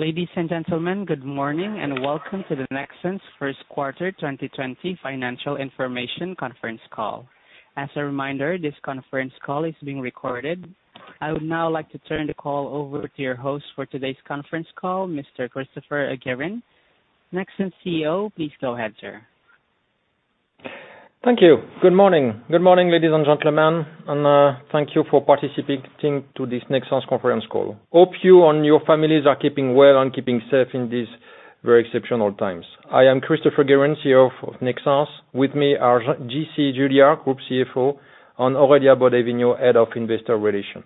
Ladies and gentlemen, good morning and welcome to the Nexans First Quarter 2020 Financial Information Conference Call. As a reminder, this conference call is being recorded. I would now like to turn the call over to your host for today's conference call, Mr. Christopher Guérin. Nexans CEO, please go ahead, sir. Thank you. Good morning. Good morning, ladies and gentlemen, and thank you for participating to this Nexans Conference Call. Hope you and your families are keeping well and keeping safe in these very exceptional times. I am Christopher Guérin, CEO of Nexans. With me are Jean-Christophe Juillard, Group CFO, and Aurélia Baudey-Vignaud, Head of Investor Relations.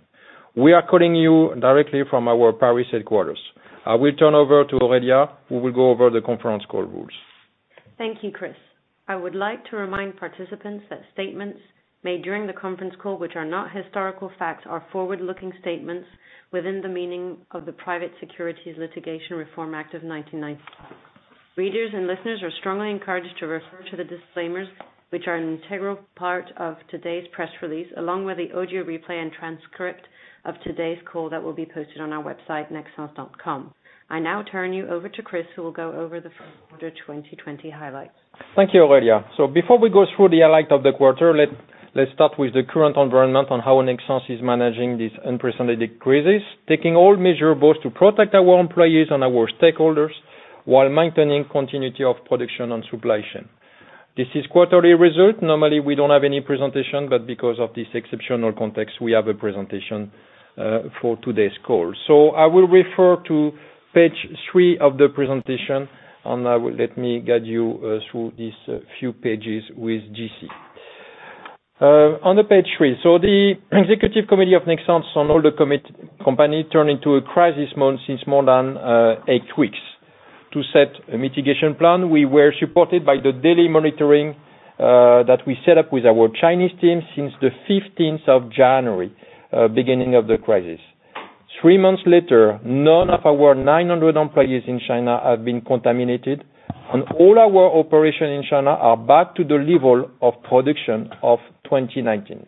We are calling you directly from our Paris headquarters. I will turn over to Aurélia, who will go over the conference call rules. Thank you, Chris. I would like to remind participants that statements made during the conference call, which are not historical facts, are forward-looking statements within the meaning of the Private Securities Litigation Reform Act of 1996. Readers and listeners are strongly encouraged to refer to the disclaimers, which are an integral part of today's press release, along with the audio replay and transcript of today's call that will be posted on our website, nexans.com. I now turn you over to Chris, who will go over the First Quarter 2020 highlights. Thank you, Aurélia. So before we go through the highlights of the quarter, let's start with the current environment on how Nexans is managing this unprecedented crisis, taking all measures both to protect our employees and our stakeholders while maintaining continuity of production and supply chain. This is quarterly result. Normally, we don't have any presentation, but because of this exceptional context, we have a presentation for today's call. So I will refer to page 3 of the presentation, and I will let me guide you through this few pages with JC. On page 3, so the Executive Committee of Nexans and all the committees of the company turned into a crisis mode since more than 8 weeks. To set a mitigation plan, we were supported by the daily monitoring that we set up with our Chinese team since the 15th of January, beginning of the crisis. Three months later, none of our 900 employees in China have been contaminated, and all our operations in China are back to the level of production of 2019,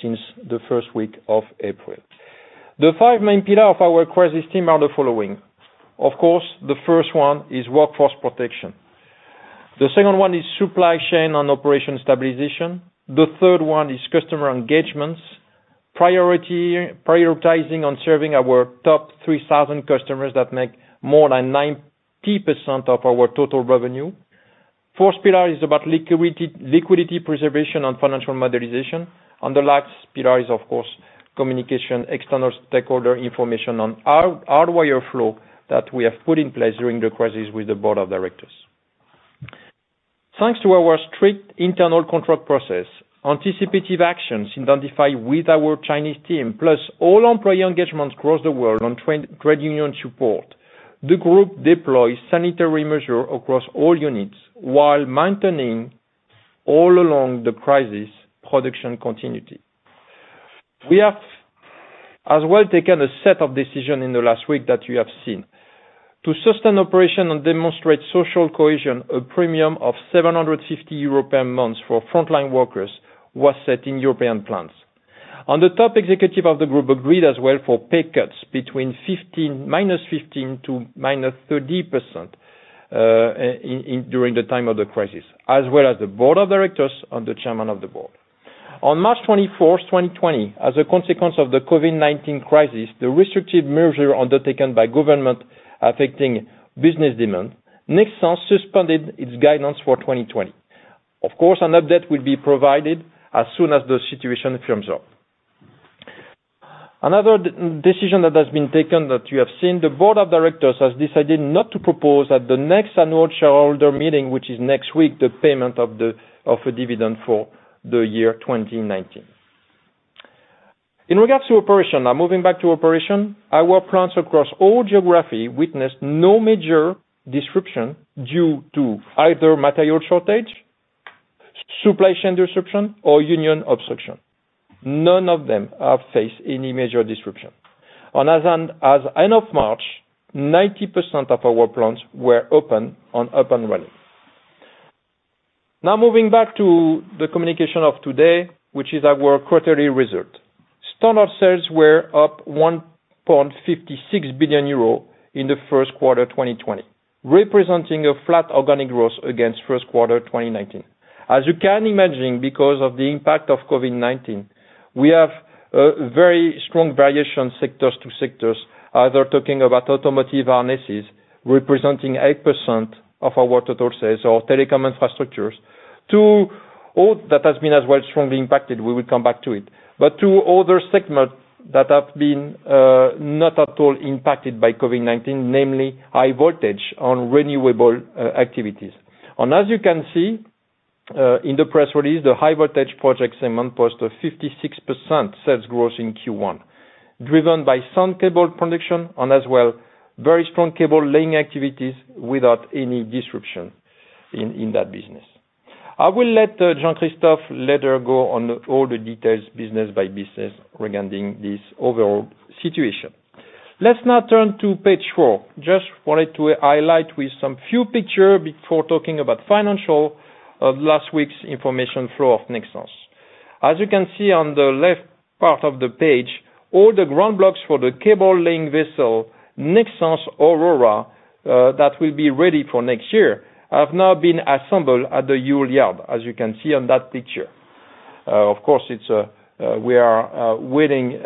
since the first week of April. The five main pillars of our crisis team are the following. Of course, the first one is workforce protection. The second one is supply chain and operation stabilization. The third one is customer engagements, priority prioritizing on serving our top 3,000 customers that make more than 90% of our total revenue. Fourth pillar is about liquidity liquidity preservation and financial modernization. And the last pillar is, of course, communication, external stakeholder information on hard- hardwire flow that we have put in place during the crisis with the board of directors. Thanks to our strict internal contract process, anticipative actions identified with our Chinese team, plus all employee engagements across the world on trade union support, the group deploys sanitary measures across all units while maintaining, all along the crisis, production continuity. We have as well taken a set of decisions in the last week that you have seen. To sustain operation and demonstrate social cohesion, a premium of 750 euros per month for frontline workers was set in European plants. The top executive of the group agreed as well for pay cuts between -15% to -30%, during the time of the crisis, as well as the board of directors and the chairman of the board. On March 24th, 2020, as a consequence of the COVID-19 crisis, the restrictive measures undertaken by government affecting business demand, Nexans suspended its guidance for 2020. Of course, an update will be provided as soon as the situation firms up. Another decision that has been taken that you have seen, the board of directors has decided not to propose at the next annual shareholder meeting, which is next week, the payment of a dividend for the year 2019. In regards to operation, now moving back to operation, our plants across all geography witnessed no major disruption due to either material shortage, supply chain disruption, or union obstruction. None of them have faced any major disruption. And as of the end of March, 90% of our plants were open and operational. Now moving back to the communication of today, which is our quarterly result. Standard sales were up 1.56 billion euro in the first quarter 2020, representing a flat organic growth against first quarter 2019. As you can imagine, because of the impact of COVID-19, we have a very strong variation sector to sector, either talking about automotive harnesses, representing 8% of our total sales, or telecom infrastructures, all that has been as well strongly impacted. We will come back to it, but to other segments that have been not at all impacted by COVID-19, namely high voltage on renewables activities. As you can see, in the press release, the high voltage project segment posted 56% sales growth in Q1, driven by sound cable production and as well very strong cable laying activities without any disruption in that business. I will let Jean-Christophe later go on all the details business by business regarding this overall situation. Let's now turn to page four. Just wanted to highlight with some few pictures before talking about financials of last week's information flow of Nexans. As you can see on the left part of the page, all the ground blocks for the cable laying vessel, Nexans Aurora, that will be ready for next year have now been assembled at the yard, as you can see on that picture. Of course, it's, we are, waiting,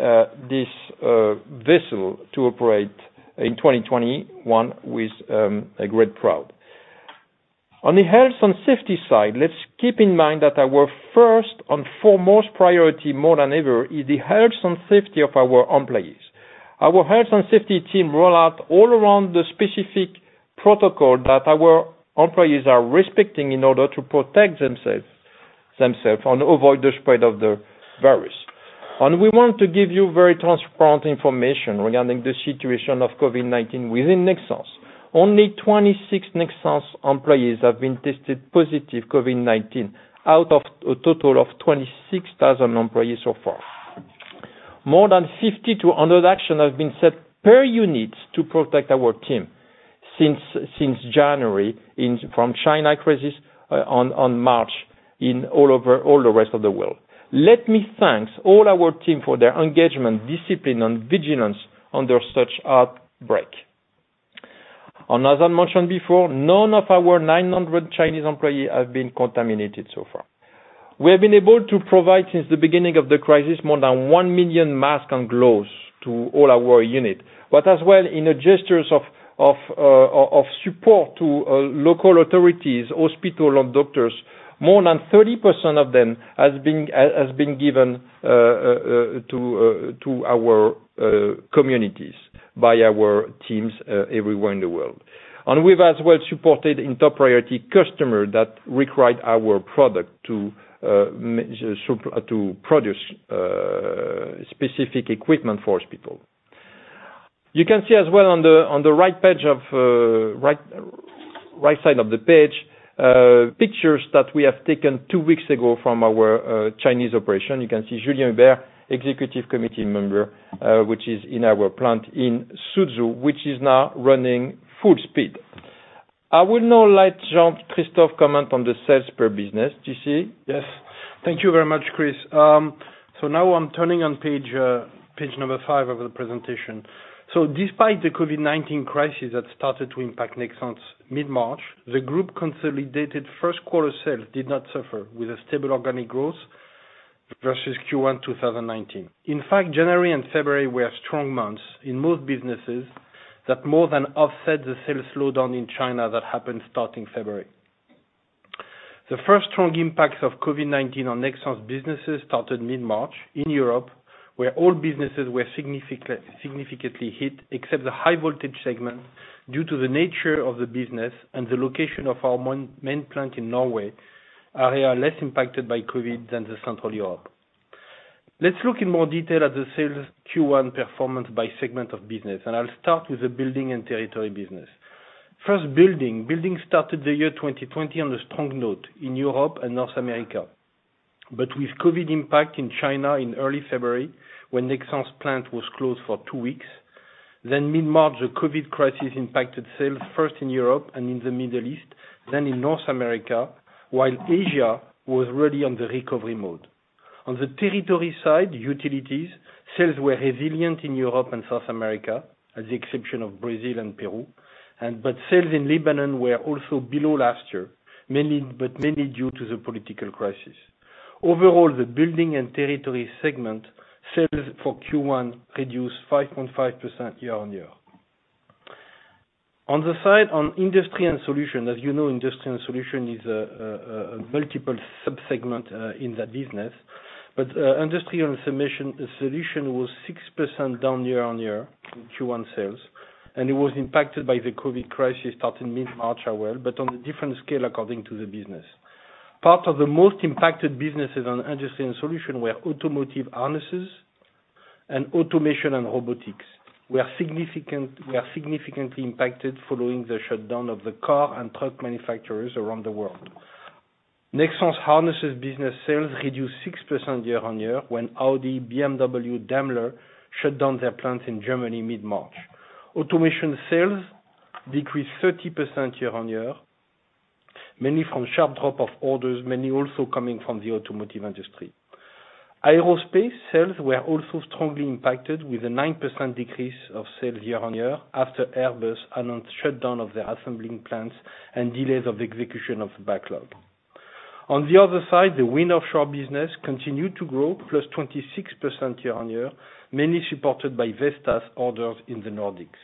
this, vessel to operate in 2021 with, a great pride. On the health and safety side, let's keep in mind that our first and foremost priority, more than ever, is the health and safety of our employees. Our health and safety team roll out all around the specific protocol that our employees are respecting in order to protect themselves themselves and avoid the spread of the virus. And we want to give you very transparent information regarding the situation of COVID-19 within Nexans. Only 26 Nexans employees have been tested positive COVID-19 out of a total of 26,000 employees so far. More than 50-100 actions have been set per unit to protect our team since January from China crisis, on March in all over the rest of the world. Let me thank all our team for their engagement, discipline, and vigilance under such outbreak. As I mentioned before, none of our 900 Chinese employees have been contaminated so far. We have been able to provide, since the beginning of the crisis, more than one million masks and gloves to all our units. As well, in a gesture of support to local authorities, hospitals, and doctors, more than 30% of them has been given to our communities by our teams, everywhere in the world. We've as well supported in top priority customers that required our product to supply to produce specific equipment for hospitals. You can see as well on the right side of the page pictures that we have taken two weeks ago from our Chinese operation. You can see Julien Hueber, Executive Committee member, which is in our plant in Suzhou, which is now running full speed. I will now let Jean-Christophe comment on the sales per business. JC? Yes. Thank you very much, Chris. Now I'm turning to page 5 of the presentation. Despite the COVID-19 crisis that started to impact Nexans mid-March, the Group consolidated first-quarter sales did not suffer, with stable organic growth versus Q1 2019. In fact, January and February were strong months in most businesses that more than offset the sales slowdown in China that happened starting February. The first strong impacts of COVID-19 on Nexans businesses started mid-March in Europe, where all businesses were significantly hit except the High Voltage segment due to the nature of the business and the location of our main plant in Norway, area less impacted by COVID than Central Europe. Let's look in more detail at the sales Q1 performance by segment of business, and I'll start with the Building and Territories business. First, Building. Building started the year 2020 on a strong note in Europe and North America, but with COVID impact in China in early February when Nexans plant was closed for two weeks, then mid-March the COVID crisis impacted sales first in Europe and in the Middle East, then in North America, while Asia was really on the recovery mode. On the territory side, utilities, sales were resilient in Europe and South America, at the exception of Brazil and Peru, and but sales in Lebanon were also below last year, mainly but mainly due to the political crisis. Overall, the Building and Territories segment, sales for Q1 reduced 5.5% year-over-year. On the side, on Industry and Solutions, as you know, Industry and Solutions is a multiple subsegment, in that business, but industrial solutions was 6% down year-over-year in Q1 sales, and it was impacted by the COVID crisis starting mid-March as well, but on a different scale according to the business. Part of the most impacted businesses on Industry and Solutions were automotive harnesses and automation and robotics, were significantly impacted following the shutdown of the car and truck manufacturers around the world. Nexans harnesses business sales reduced 6% year-over-year when Audi, BMW, Daimler shut down their plants in Germany mid-March. Automation sales decreased 30% year-over-year, mainly from sharp drop of orders, mainly also coming from the automotive industry. Aerospace sales were also strongly impacted with a 9% decrease of sales year-over-year after Airbus announced shutdown of their assembling plants and delays of execution of the backlog. On the other side, the wind offshore business continued to grow +26% year-over-year, mainly supported by Vestas orders in the Nordics.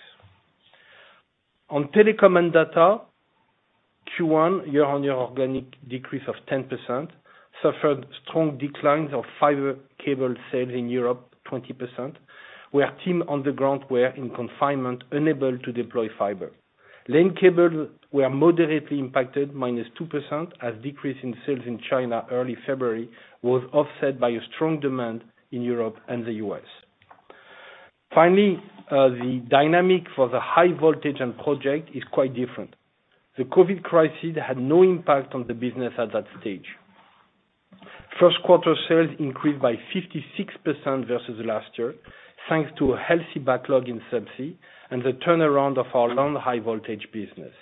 On Telecom and Data, Q1 year-over-year organic decrease of 10%, suffered strong declines of fiber cable sales in Europe, 20%, where team on the ground were in confinement, unable to deploy fiber. LAN cables were moderately impacted, -2%, as decrease in sales in China early February was offset by a strong demand in Europe and the U.S. Finally, the dynamic for the High Voltage and Project is quite different. The COVID crisis had no impact on the business at that stage. First quarter sales increased by 56% versus last year, thanks to a healthy backlog in subsea and the turnaround of our long high voltage business.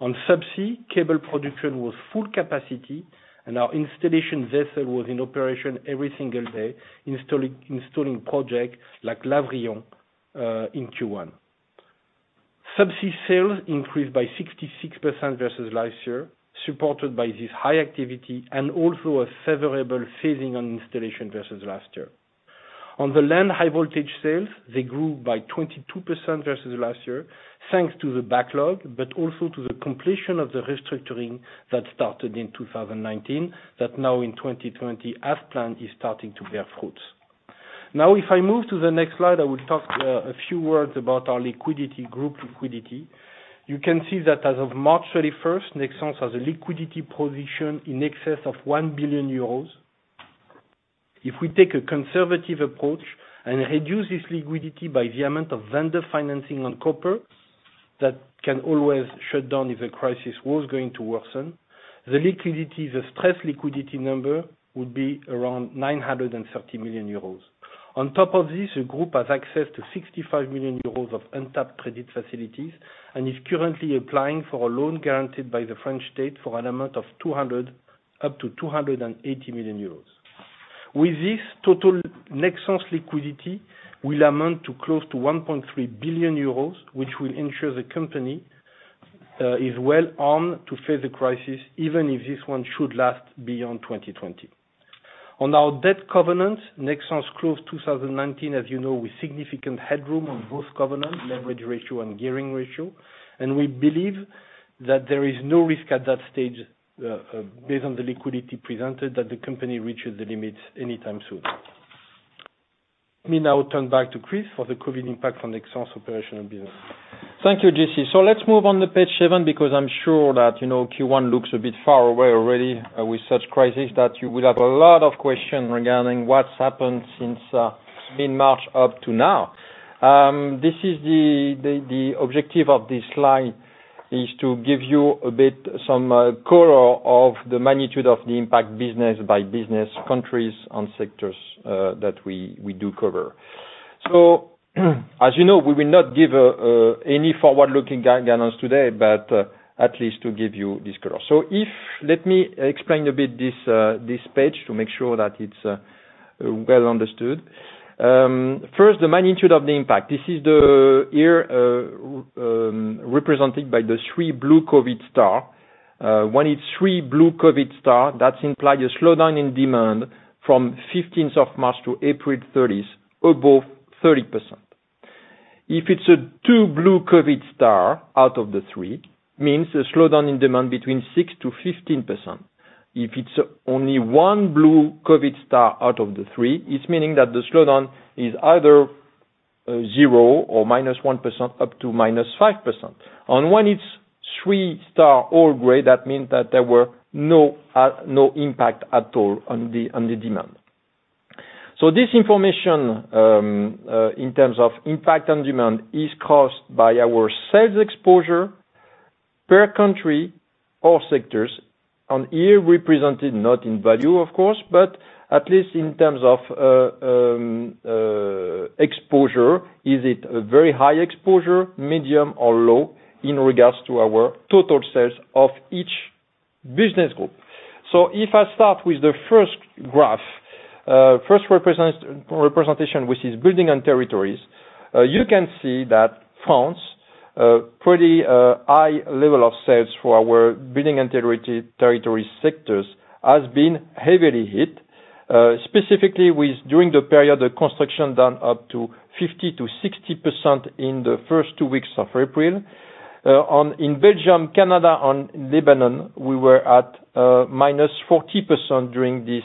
On subsea, cable production was full capacity, and our installation vessel was in operation every single day, installing projects like Lavrion, in Q1. Subsea sales increased by 66% versus last year, supported by this high activity and also a favorable phasing on installation versus last year. On the land, high voltage sales, they grew by 22% versus last year, thanks to the backlog, but also to the completion of the restructuring that started in 2019, that now in 2020, as planned, is starting to bear fruits. Now, if I move to the next slide, I will talk a few words about our liquidity, group liquidity. You can see that as of March 31st, Nexans has a liquidity position in excess of 1 billion euros. If we take a conservative approach and reduce this liquidity by the amount of vendor financing on copper, that can always shut down if the crisis was going to worsen, the liquidity, the stress liquidity number, would be around 930 million euros. On top of this, the group has access to 65 million euros of untapped credit facilities and is currently applying for a loan guaranteed by the French state for an amount of 200 million-280 million euros. With this total, Nexans liquidity will amount to close to 1.3 billion euros, which will ensure the company is well armed to face the crisis, even if this one should last beyond 2020. On our debt covenants, Nexans closed 2019, as you know, with significant headroom on both covenant, leverage ratio, and gearing ratio, and we believe that there is no risk at that stage, based on the liquidity presented, that the company reaches the limits anytime soon. Let me now turn back to Chris for the COVID impacts on Nexans operational business. Thank you, JC. So let's move on to page seven because I'm sure that, you know, Q1 looks a bit far away already, with such crisis that you will have a lot of questions regarding what's happened since mid-March up to now. This is the objective of this slide is to give you a bit some color of the magnitude of the impact business by business, countries, and sectors that we do cover. So, as you know, we will not give any forward-looking guidance today, but at least to give you this color. So let me explain a bit this page to make sure that it's well understood. First, the magnitude of the impact. This is the year represented by the three blue COVID star. When it's three blue COVID stars, that implies a slowdown in demand from March 15th to April 30th, above 30%. If it's two blue COVID stars out of the three, it means a slowdown in demand between 6%-15%. If it's only one blue COVID star out of the three, it means that the slowdown is either 0% or -1% up to -5%. When it's three stars all gray, that means that there was no impact at all on the demand. So this information, in terms of impact on demand, is caused by our sales exposure per country or sectors, on year represented not in value, of course, but at least in terms of exposure, is it a very high exposure, medium, or low in regards to our total sales of each business group. So if I start with the first graph, first representation which is Building and Territories, you can see that France, pretty high level of sales for our Building and Territories sectors has been heavily hit, specifically with during the period of construction down to 50%-60% in the first two weeks of April. On in Belgium, Canada, and Lebanon, we were at -40% during this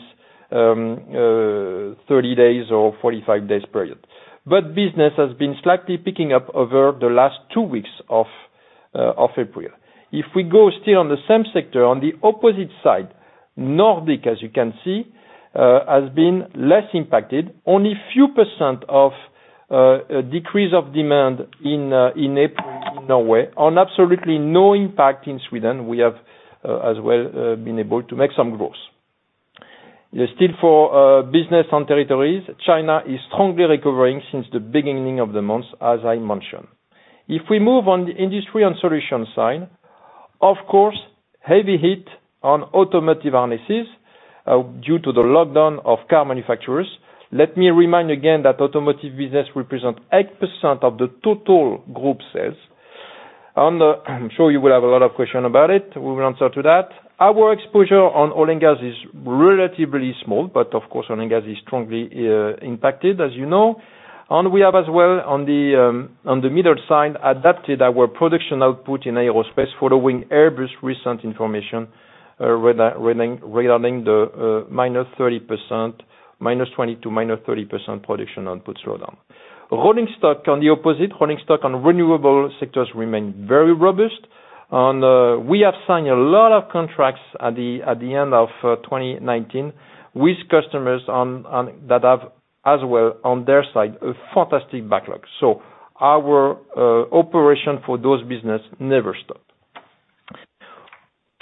30 days or 45 days period. But business has been slightly picking up over the last two weeks of April. If we go still on the same sector, on the opposite side, Nordics, as you can see, has been less impacted, only few percent of decrease of demand in April in Norway, and absolutely no impact in Sweden. We have, as well, been able to make some growth. Still, for Business and Territories, China is strongly recovering since the beginning of the months, as I mentioned. If we move on the Industry and Solutions side, of course, heavy hit on automotive harnesses, due to the lockdown of car manufacturers. Let me remind again that automotive business represents 8% of the total group sales. On that, I'm sure you will have a lot of questions about it. We will answer to that. Our exposure on oil and gas is relatively small, but, of course, oil and gas is strongly impacted, as you know. And we have as well, on the middle side, adapted our production output in aerospace following Airbus' recent information, regarding the minus 30%, minus 20 to minus 30% production output slowdown. Rolling stock, on the opposite, rolling stock on renewable sectors remain very robust. We have signed a lot of contracts at the end of 2019 with customers that have, on their side, a fantastic backlog. So our operation for those businesses never stopped.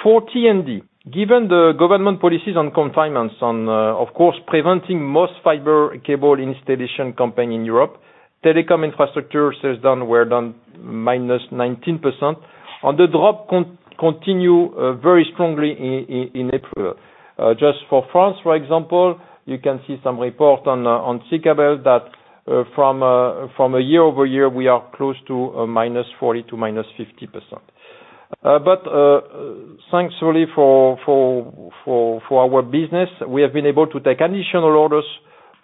For T&D, given the government policies on confinements, of course, preventing most fiber cable installation companies in Europe, telecom infrastructure sales were down -19%, and the drop continued very strongly in April. Just for France, for example, you can see some reports on SYCABEL that, from a year-over-year, we are close to -40% to -50%. But, thankfully for our business, we have been able to take additional orders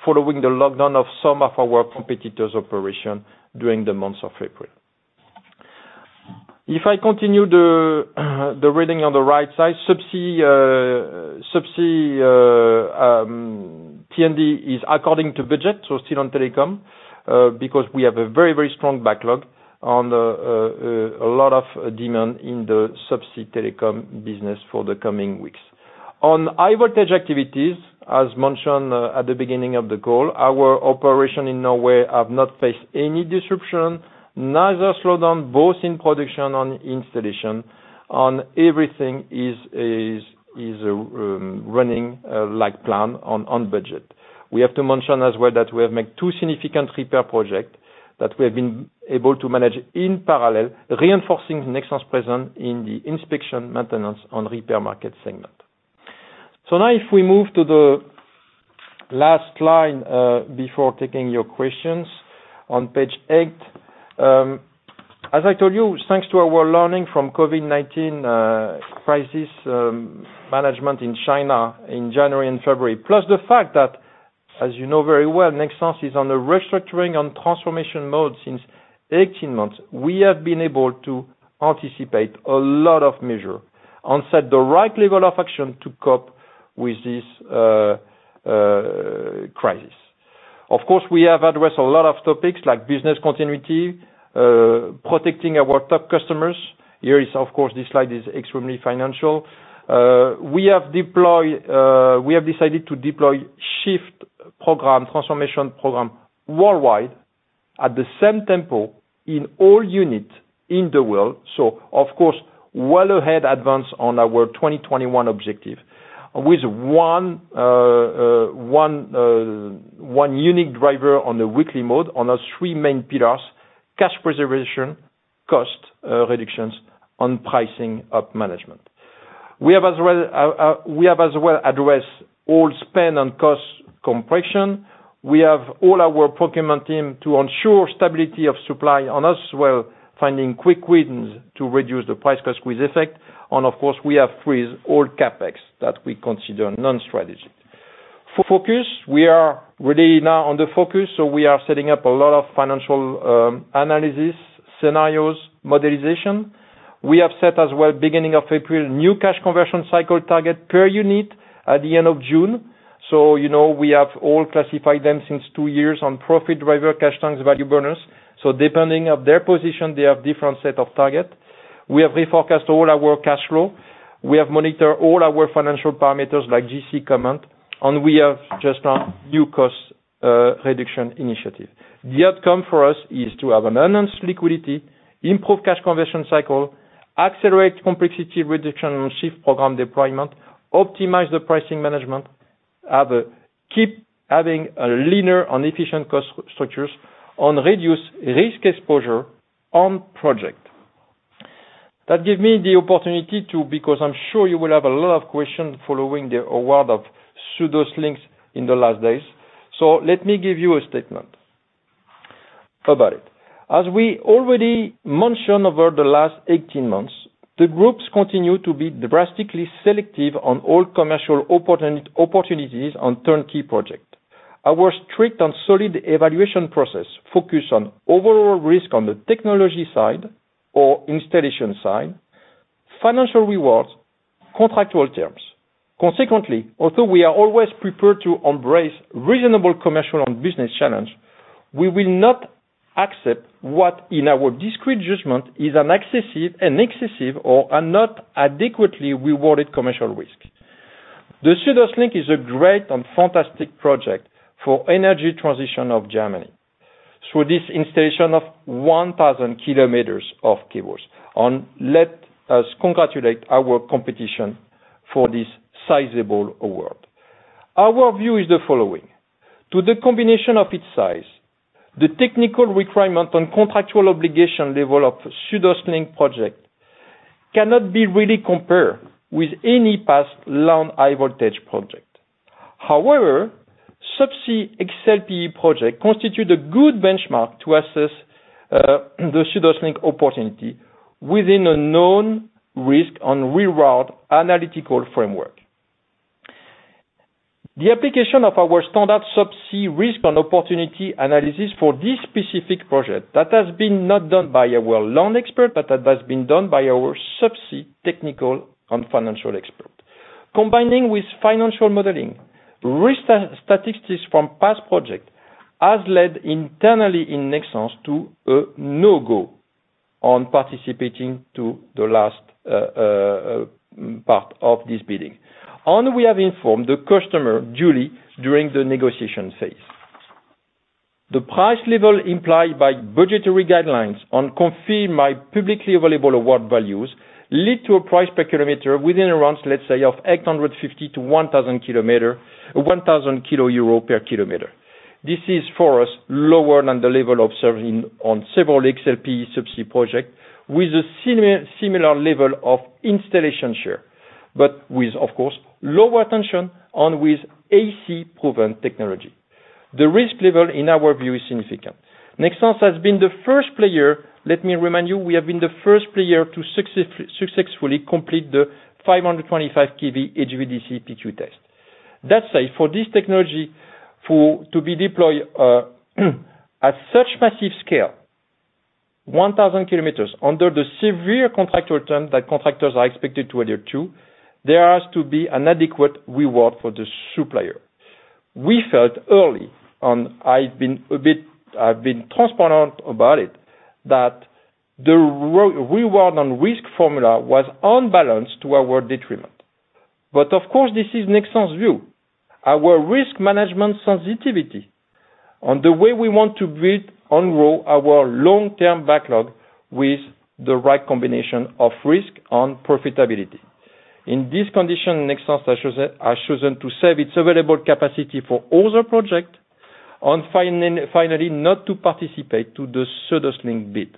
following the lockdown of some of our competitors' operations during the month of April. If I continue the reading on the right side, subsea, T&D is according to budget, so still on telecom, because we have a very, very strong backlog on, a lot of demand in the subsea telecom business for the coming weeks. On high voltage activities, as mentioned at the beginning of the call, our operation in Norway have not faced any disruption, neither slowdown, both in production and installation, and everything is running like plan on budget. We have to mention as well that we have made two significant repair projects that we have been able to manage in parallel, reinforcing Nexans' presence in the inspection, maintenance, and repair market segment. So now, if we move to the last line before taking your questions on page 8, as I told you, thanks to our learning from COVID-19 crisis management in China in January and February, plus the fact that, as you know very well, Nexans is on a restructuring and transformation mode since 18 months, we have been able to anticipate a lot of measures and set the right level of action to cope with this crisis. Of course, we have addressed a lot of topics like business continuity, protecting our top customers. Here, of course, this slide is extremely financial. We have decided to deploy SHIFT Program, transformation program worldwide at the same tempo in all units in the world. So, of course, well in advance on our 2021 objective, with one unique driver on the weekly mode on our three main pillars: cash preservation, cost reductions, and pricing up management. We have as well addressed all spend and cost compression. We have all our procurement team to ensure stability of supply and as well finding quick wins to reduce the price cost squeeze effect. And, of course, we have frozen all CapEx that we consider non-strategic. For focus, we are really now on the focus, so we are setting up a lot of financial analysis, scenarios, modeling. We have set as well, beginning of April, new cash conversion cycle target per unit at the end of June. So, you know, we have all classified them since two years on profit driver, cash cows, value burners. So depending on their position, they have different set of target. We have reforecast all our cash flow. We have monitored all our financial parameters like JC command. And we have just launched new cost reduction initiative. The outcome for us is to have an enhanced liquidity, improve cash conversion cycle, accelerate complexity reduction and SHIFT Program deployment, optimize the pricing management, have a keep having a leaner and efficient cost structures, and reduce risk exposure on project. That gave me the opportunity to, because I'm sure you will have a lot of questions following the award of SüdOstLink in the last days. So let me give you a statement about it. As we already mentioned over the last 18 months, the groups continue to be drastically selective on all commercial opportunities on turnkey projects. Our strict and solid evaluation process focuses on overall risk on the technology side or installation side, financial rewards, contractual terms. Consequently, although we are always prepared to embrace reasonable commercial and business challenges, we will not accept what, in our discreet judgment, is an excessive or a not adequately rewarded commercial risk. The SüdOstLink is a great and fantastic project for energy transition of Germany. So this installation of 1,000 km of cables and let us congratulate our competition for this sizable award. Our view is the following. To the combination of its size, the technical requirement and contractual obligation level of SüdOstLink project cannot be really compared with any past land high voltage project. However, subsea XLPE project constitute a good benchmark to assess, the SüdOstLink opportunity within a known risk-and-reward analytical framework. The application of our standard subsea risk and opportunity analysis for this specific project that has been not done by our land expert, but that has been done by our subsea technical and financial expert, combining with financial modeling, risk statistics from past projects, has led internally in Nexans to a no-go on participating to the last part of this bidding. We have informed the customer, duly, during the negotiation phase. The price level implied by budgetary guidelines and confirmed by publicly available award values lead to a price per kilometer within around, let's say, of 850,000-1,000,000 euro per kilometer. This is, for us, lower than the level observed in on several XLPE subsea projects with a similar level of installation share, but with, of course, lower tension and with AC-proven technology. The risk level, in our view, is significant. Nexans has been the first player, let me remind you, we have been the first player to successfully complete the 525 kV HVDC PQ test. That said, for this technology for to be deployed, at such massive scale, 1,000 km under the severe contractual term that contractors are expected to adhere to, there has to be an adequate reward for the supplier. We felt early on, I've been a bit, I've been transparent about it, that the reward and risk formula was unbalanced to our detriment. But, of course, this is Nexans' view, our risk management sensitivity, and the way we want to build and grow our long-term backlog with the right combination of risk and profitability. In this condition, Nexans has chosen to save its available capacity for other projects and finally not to participate to the SüdOstLink bid.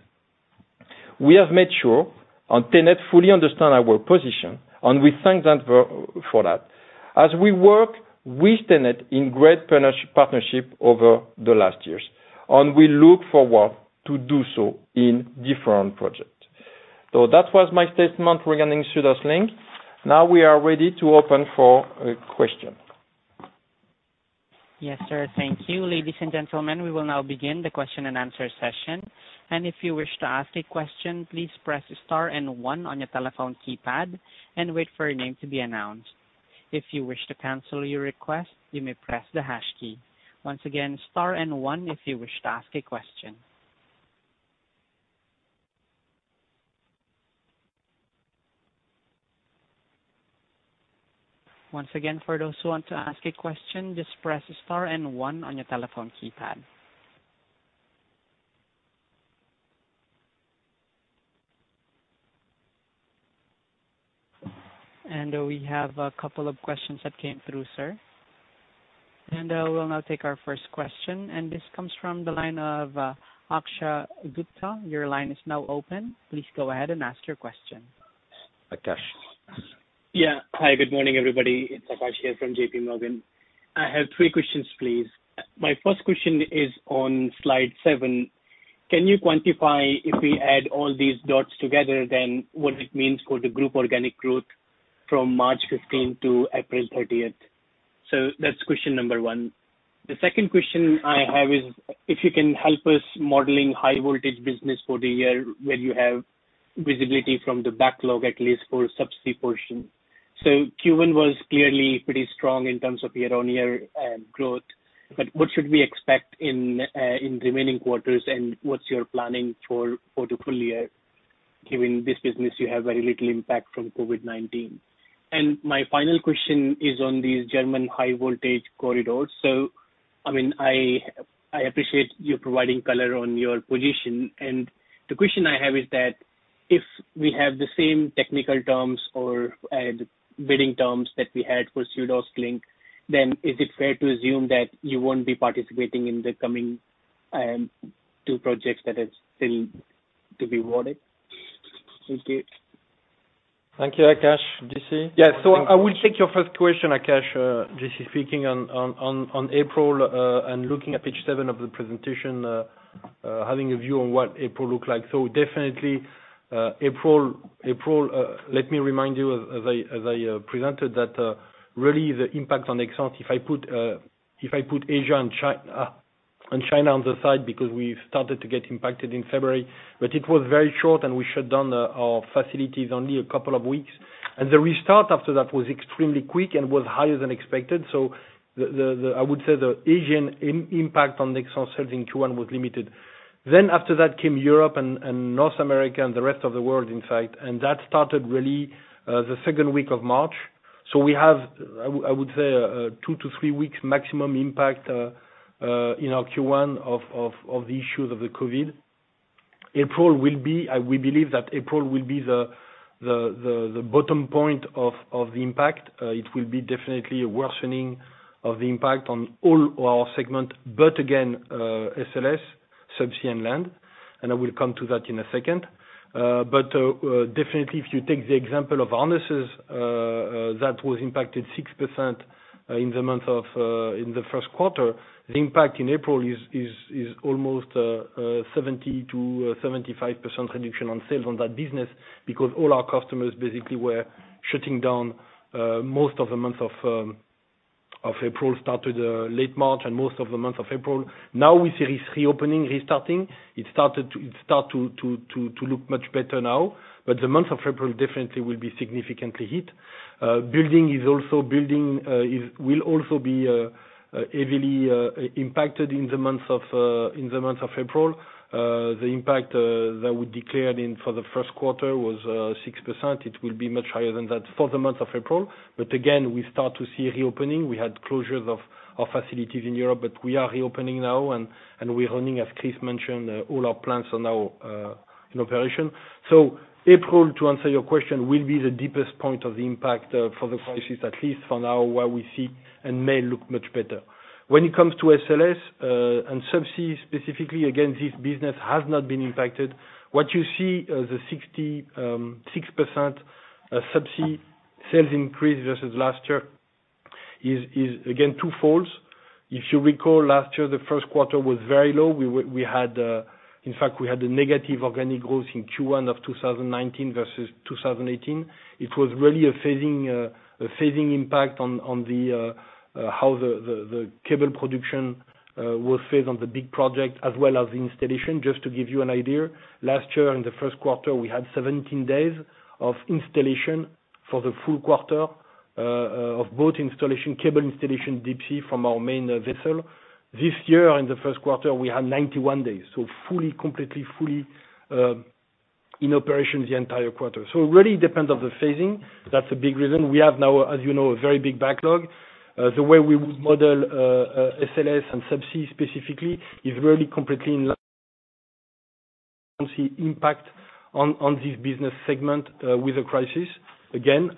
We have made sure and TenneT fully understand our position, and we thank them for that, as we work with TenneT in great partnership over the last years. We look forward to do so in different projects. That was my statement regarding SüdOstLink. Now we are ready to open for questions. Yes, sir. Thank you. Ladies and gentlemen, we will now begin the question and answer session. If you wish to ask a question, please press star and one on your telephone keypad and wait for your name to be announced. If you wish to cancel your request, you may press the hash key. Once again, star and one if you wish to ask a question. Once again, for those who want to ask a question, just press star and one on your telephone keypad. We have a couple of questions that came through, sir. We'll now take our first question. This comes from the line of Akash Gupta. Your line is now open. Please go ahead and ask your question. Akash. Yeah. Hi. Good morning, everybody. It's Akash here from JPMorgan. I have three questions, please. My first question is on slide seven. Can you quantify if we add all these dots together, then what it means for the group organic growth from March 15 to April 30? So that's question number one. The second question I have is if you can help us modeling high voltage business for the year where you have visibility from the backlog, at least for subsea portion. So Q1 was clearly pretty strong in terms of year-on-year growth. But what should we expect in remaining quarters, and what's your planning for the full year, given this business you have very little impact from COVID-19? My final question is on these German high voltage corridors. So, I mean, I appreciate you providing color on your position. The question I have is that if we have the same technical terms or bidding terms that we had for SüdOstLink, then is it fair to assume that you won't be participating in the coming two projects that are still to be awarded? Thank you. Thank you, Akash. JC? Yeah. So I will take your first question, Akash. JC speaking on April and looking at page 7 of the presentation, having a view on what April looked like. So definitely, April let me remind you, as I presented, that really the impact on Nexans if I put Asia and China on the side because we started to get impacted in February, but it was very short, and we shut down our facilities only a couple of weeks. The restart after that was extremely quick and was higher than expected. So I would say the Asian impact on Nexans' sales in Q1 was limited. Then after that came Europe and North America and the rest of the world, in fact. And that started really the second week of March. So we have, I would say, two to three weeks maximum impact in our Q1 of the issues of the COVID. April will be we believe that April will be the bottom point of the impact. It will be definitely a worsening of the impact on all our segment, but again, SLS, subsea, and land. And I will come to that in a second. But definitely, if you take the example of harnesses, that was impacted 6% in the month of in the first quarter. The impact in April is almost 70%-75% reduction on sales on that business because all our customers basically were shutting down. Most of the month of April started late March and most of the month of April. Now we see reopening, restarting. It started to look much better now. But the month of April definitely will be significantly hit. Building is also; Building will also be heavily impacted in the month of April. The impact that we declared for the first quarter was 6%. It will be much higher than that for the month of April. But again, we start to see reopening. We had closures of facilities in Europe, but we are reopening now. And we're running, as Chris mentioned, all our plants are now in operation. So April, to answer your question, will be the deepest point of the impact for the crisis, at least for now, where we see. May look much better. When it comes to SLS and subsea specifically, again, this business has not been impacted. What you see, the 6% subsea sales increase versus last year, is, again, twofold. If you recall, last year, the first quarter was very low. In fact, we had a negative organic growth in Q1 of 2019 versus 2018. It was really a phasing impact on how the cable production was phased on the big project as well as the installation. Just to give you an idea, last year, in the first quarter, we had 17 days of installation for the full quarter of both installation, cable installation deep sea from our main vessel. This year, in the first quarter, we had 91 days. So fully, completely, fully in operation the entire quarter. So it really depends on the phasing. That's a big reason. We have now, as you know, a very big backlog. The way we would model SLS and subsea specifically is really completely in line with the current impact on this business segment with a crisis. Again,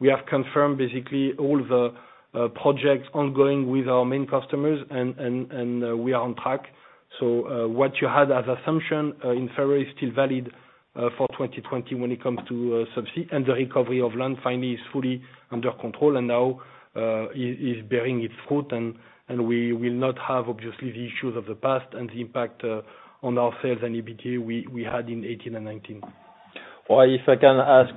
we have confirmed basically all the projects ongoing with our main customers, and we are on track. So what you had as assumption in February is still valid for 2020 when it comes to subsea. And the recovery of land finally is fully under control and now is bearing its fruit. And we will not have, obviously, the issues of the past and the impact on our sales and EBT we had in 2018 and 2019. Well, if I can ask,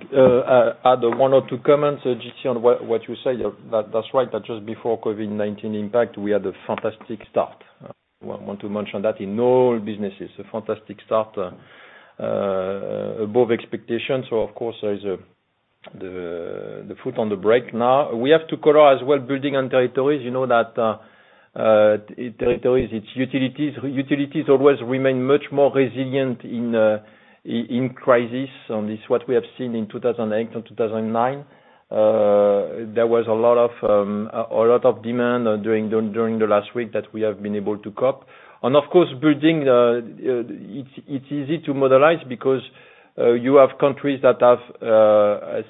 add one or two comments, JC, on what you say. That's right. Just before COVID-19 impact, we had a fantastic start. I want to mention that in all businesses, a fantastic start above expectations. So, of course, there is the foot on the brake now. We have to control as well Building and Territories. You know that territories, it's utilities. Utilities always remain much more resilient in crisis. And it's what we have seen in 2008 and 2009. There was a lot of demand during the last week that we have been able to cope. And, of course, building, it's easy to model because you have countries that have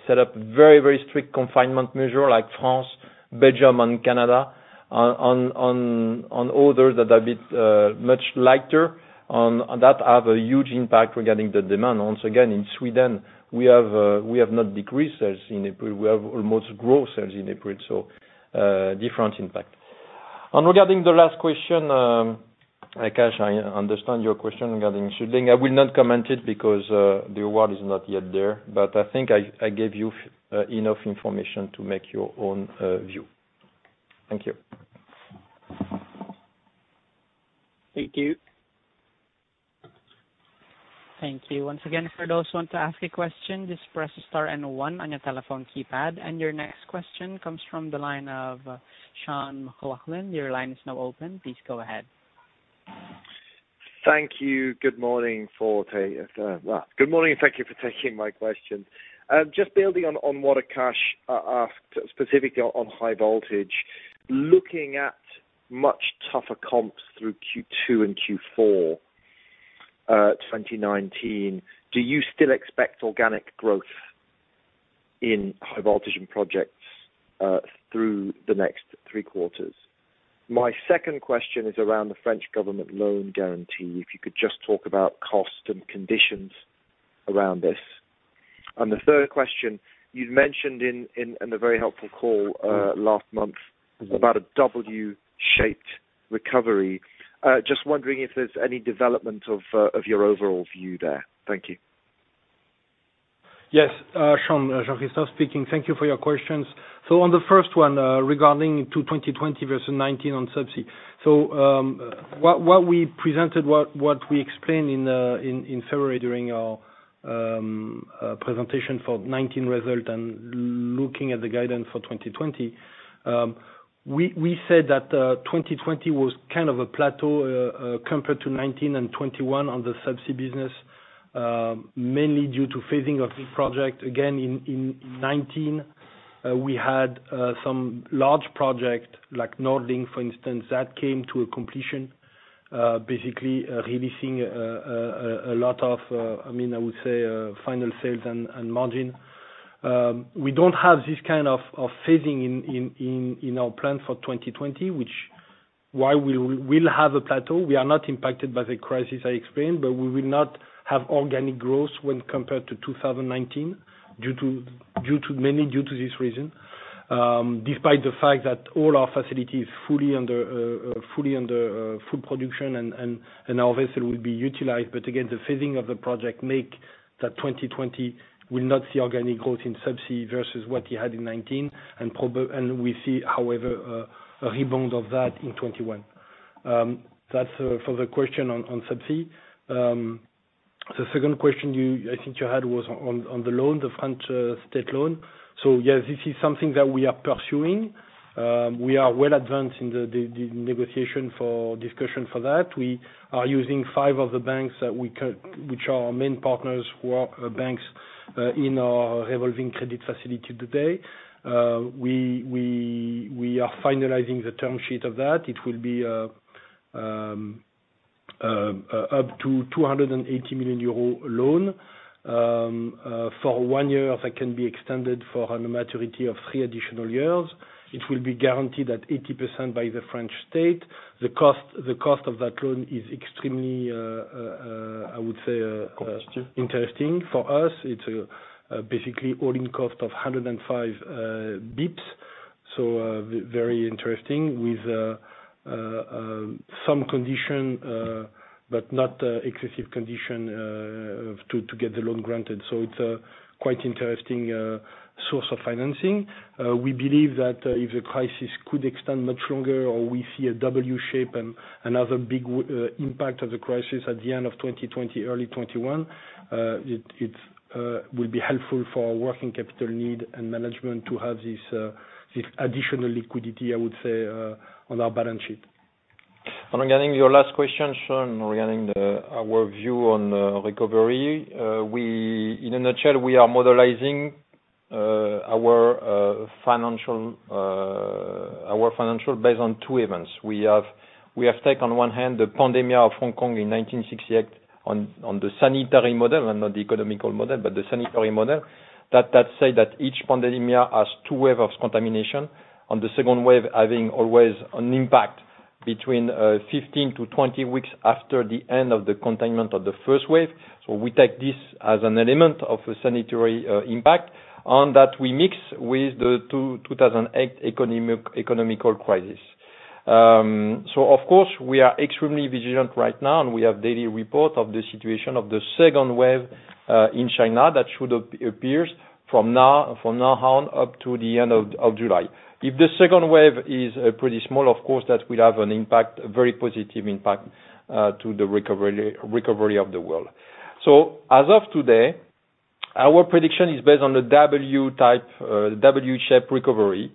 set up very, very strict confinement measures like France, Belgium, and Canada, and others that are a bit much lighter that have a huge impact regarding the demand. Once again, in Sweden, we have not decreased sales in April. We have almost growth sales in April. So different impact. Regarding the last question, Akash, I understand your question regarding Scheduling. I will not comment it because the award is not yet there. But I think I gave you enough information to make your own view. Thank you. Thank you. Thank you. Once again, for those who want to ask a question, just press star and one on your telephone keypad. And your next question comes from the line of Sean McLoughlin. Your line is now open. Please go ahead. Thank you. Good morning. Well, good morning and thank you for taking my question. Just building on what Akash asked, specifically on high voltage, looking at much tougher comps through Q2 and Q4 2019, do you still expect organic growth in high voltage projects through the next three quarters? My second question is around the French government loan guarantee. If you could just talk about cost and conditions around this. And the third question, you'd mentioned in a very helpful call last month about a W-shaped recovery. Just wondering if there's any development of your overall view there. Thank you. Yes. Christopher speaking. Thank you for your questions. So on the first one regarding 2020 versus 2019 on subsea. So what we presented, what we explained in February during our presentation for 2019 result and looking at the guidance for 2020, we said that 2020 was kind of a plateau compared to 2019 and 2021 on the subsea business, mainly due to phasing of big project. Again, in 2019, we had some large project like NordLink, for instance, that came to a completion, basically releasing a lot of, I mean, I would say, final sales and margin. We don't have this kind of phasing in our plan for 2020, which is why we'll have a plateau. We are not impacted by the crisis, I explained, but we will not have organic growth when compared to 2019 mainly due to this reason, despite the fact that all our facilities are fully at full production and our vessel will be utilized. But again, the phasing of the project means that 2020 will not see organic growth in subsea versus what you had in 2019. And we see, however, a rebound of that in 2021. That's for the question on subsea. The second question I think you had was on the loan, the French state loan. So yes, this is something that we are pursuing. We are well advanced in the negotiations and discussions for that. We are using five of the banks that we are our main partners who are banks in our revolving credit facility today. We are finalizing the term sheet of that. It will be up to 280 million euro loan. For one year, that can be extended for a maturity of three additional years. It will be guaranteed at 80% by the French state. The cost of that loan is extremely, I would say, interesting for us. It's basically all-in cost of 105 basis points. So very interesting with some condition, but not excessive condition to get the loan granted. So it's a quite interesting source of financing. We believe that if the crisis could extend much longer or we see a W-shape and another big impact of the crisis at the end of 2020, early 2021, it will be helpful for our working capital need and management to have this additional liquidity, I would say, on our balance sheet. Regarding your last question, Sean, regarding our view on recovery, in a nutshell, we are modeling our financial based on two events. We have taken on one hand the pandemic of Hong Kong in 1968 on the sanitary model and not the economic model, but the sanitary model that says that each pandemic has two waves of contamination, and the second wave having always an impact between 15-20 weeks after the end of the containment of the first wave. So we take this as an element of a sanitary impact and that we mix with the 2008 economic crisis. So, of course, we are extremely vigilant right now, and we have daily report of the situation of the second wave in China that should appear from now on up to the end of July. If the second wave is pretty small, of course, that will have an impact, very positive impact to the recovery of the world. So as of today, our prediction is based on the W-shaped recovery,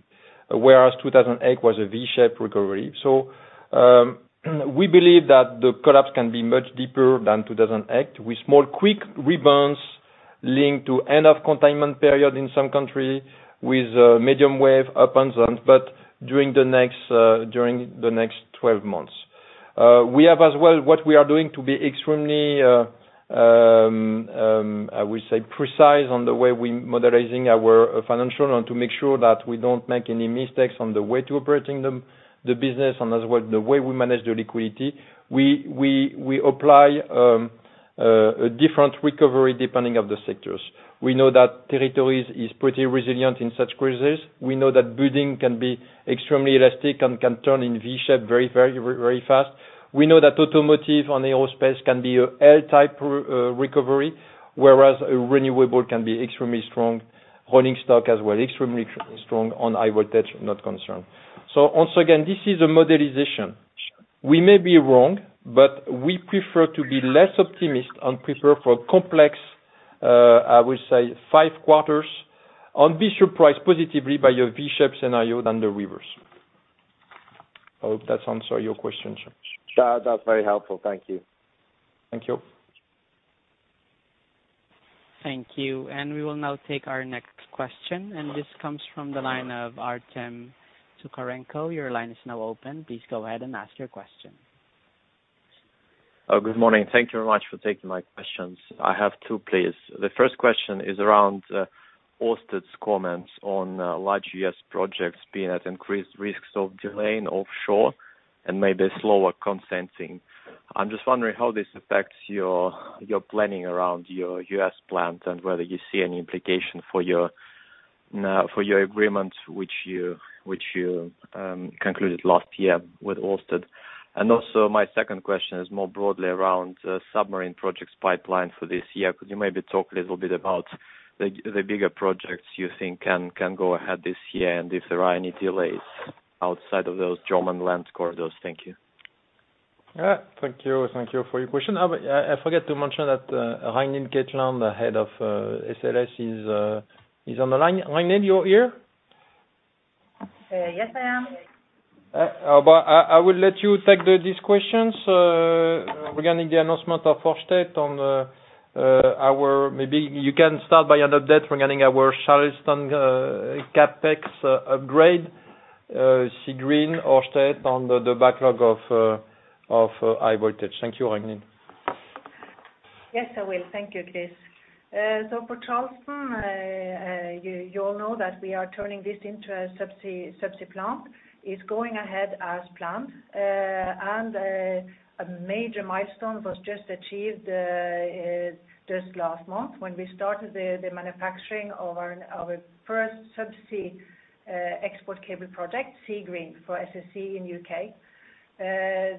whereas 2008 was a V-shaped recovery. So we believe that the collapse can be much deeper than 2008 with small quick rebounds linked to end-of-containment period in some country with medium wave upon but during the next 12 months. We have as well what we are doing to be extremely, I would say, precise on the way we're modeling our finances and to make sure that we don't make any mistakes on the way to operating the business and as well the way we manage the liquidity. We apply a different recovery depending on the sectors. We know that utilities are pretty resilient in such crises. We know that building can be extremely elastic and can turn in V-shape very, very fast. We know that automotive and aerospace can be a L-type recovery, whereas renewable can be extremely strong, rolling stock as well, extremely strong on high voltage, not concerned. So once again, this is a modeling. We may be wrong, but we prefer to be less optimistic and prepare for complex, I would say, five quarters and be surprised positively by a V-shaped scenario than the reverse. I hope that answered your question, Sean. That's very helpful. Thank you. Thank you. Thank you. And we will now take our next question. And this comes from the line of Artem Tokarenko. Your line is now open. Please go ahead and ask your question. Good morning. Thank you very much for taking my questions. I have two, please. The first question is around Ørsted's comments on large US projects being at increased risks of delaying offshore and maybe slower consenting. I'm just wondering how this affects your planning around your US plans and whether you see any implication for your agreement, which you concluded last year with Ørsted. And also, my second question is more broadly around submarine projects pipeline for this year. Could you maybe talk a little bit about the bigger projects you think can go ahead this year and if there are any delays? Outside of those German land corridors. Thank you. Thank you. Thank you for your question. I forgot to mention that Ragnhild Katteland, the head of SLS, is on the line. Ragnhild, you're here? Yes, I am. But I will let you take these questions regarding the announcement of Ørsted on our maybe you can start by an update regarding our Charleston CapEx upgrade, Seagreen, Ørsted on the backlog of high voltage. Thank you, Ragnhild. Yes, I will. Thank you, Chris. So for Charleston, you all know that we are turning this into a subsea plant. It's going ahead as planned. And a major milestone was just achieved just last month when we started the manufacturing of our first subsea export cable project, Seagreen for SSE in U.K.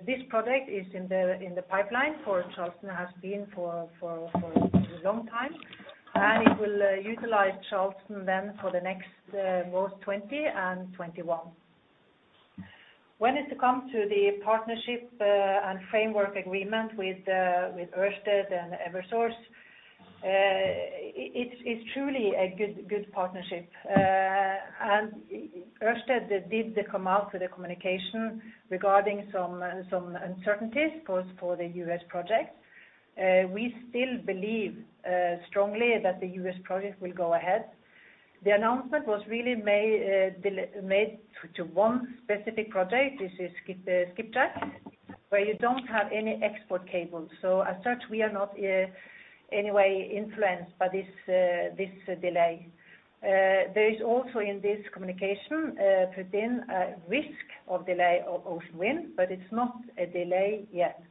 This project is in the pipeline for Charleston has been for a long time. It will utilize Charleston then for the next most 2020 and 2021. When it comes to the partnership and framework agreement with Ørsted and Eversource, it's truly a good partnership. Ørsted did come out with a communication regarding some uncertainties for the U.S. projects. We still believe strongly that the U.S. project will go ahead. The announcement was really made to one specific project. This is Skipjack, where you don't have any export cables. So as such, we are not in any way influenced by this delay. There is also in this communication put in a risk of delay of Ocean Wind, but it's not a delay yet.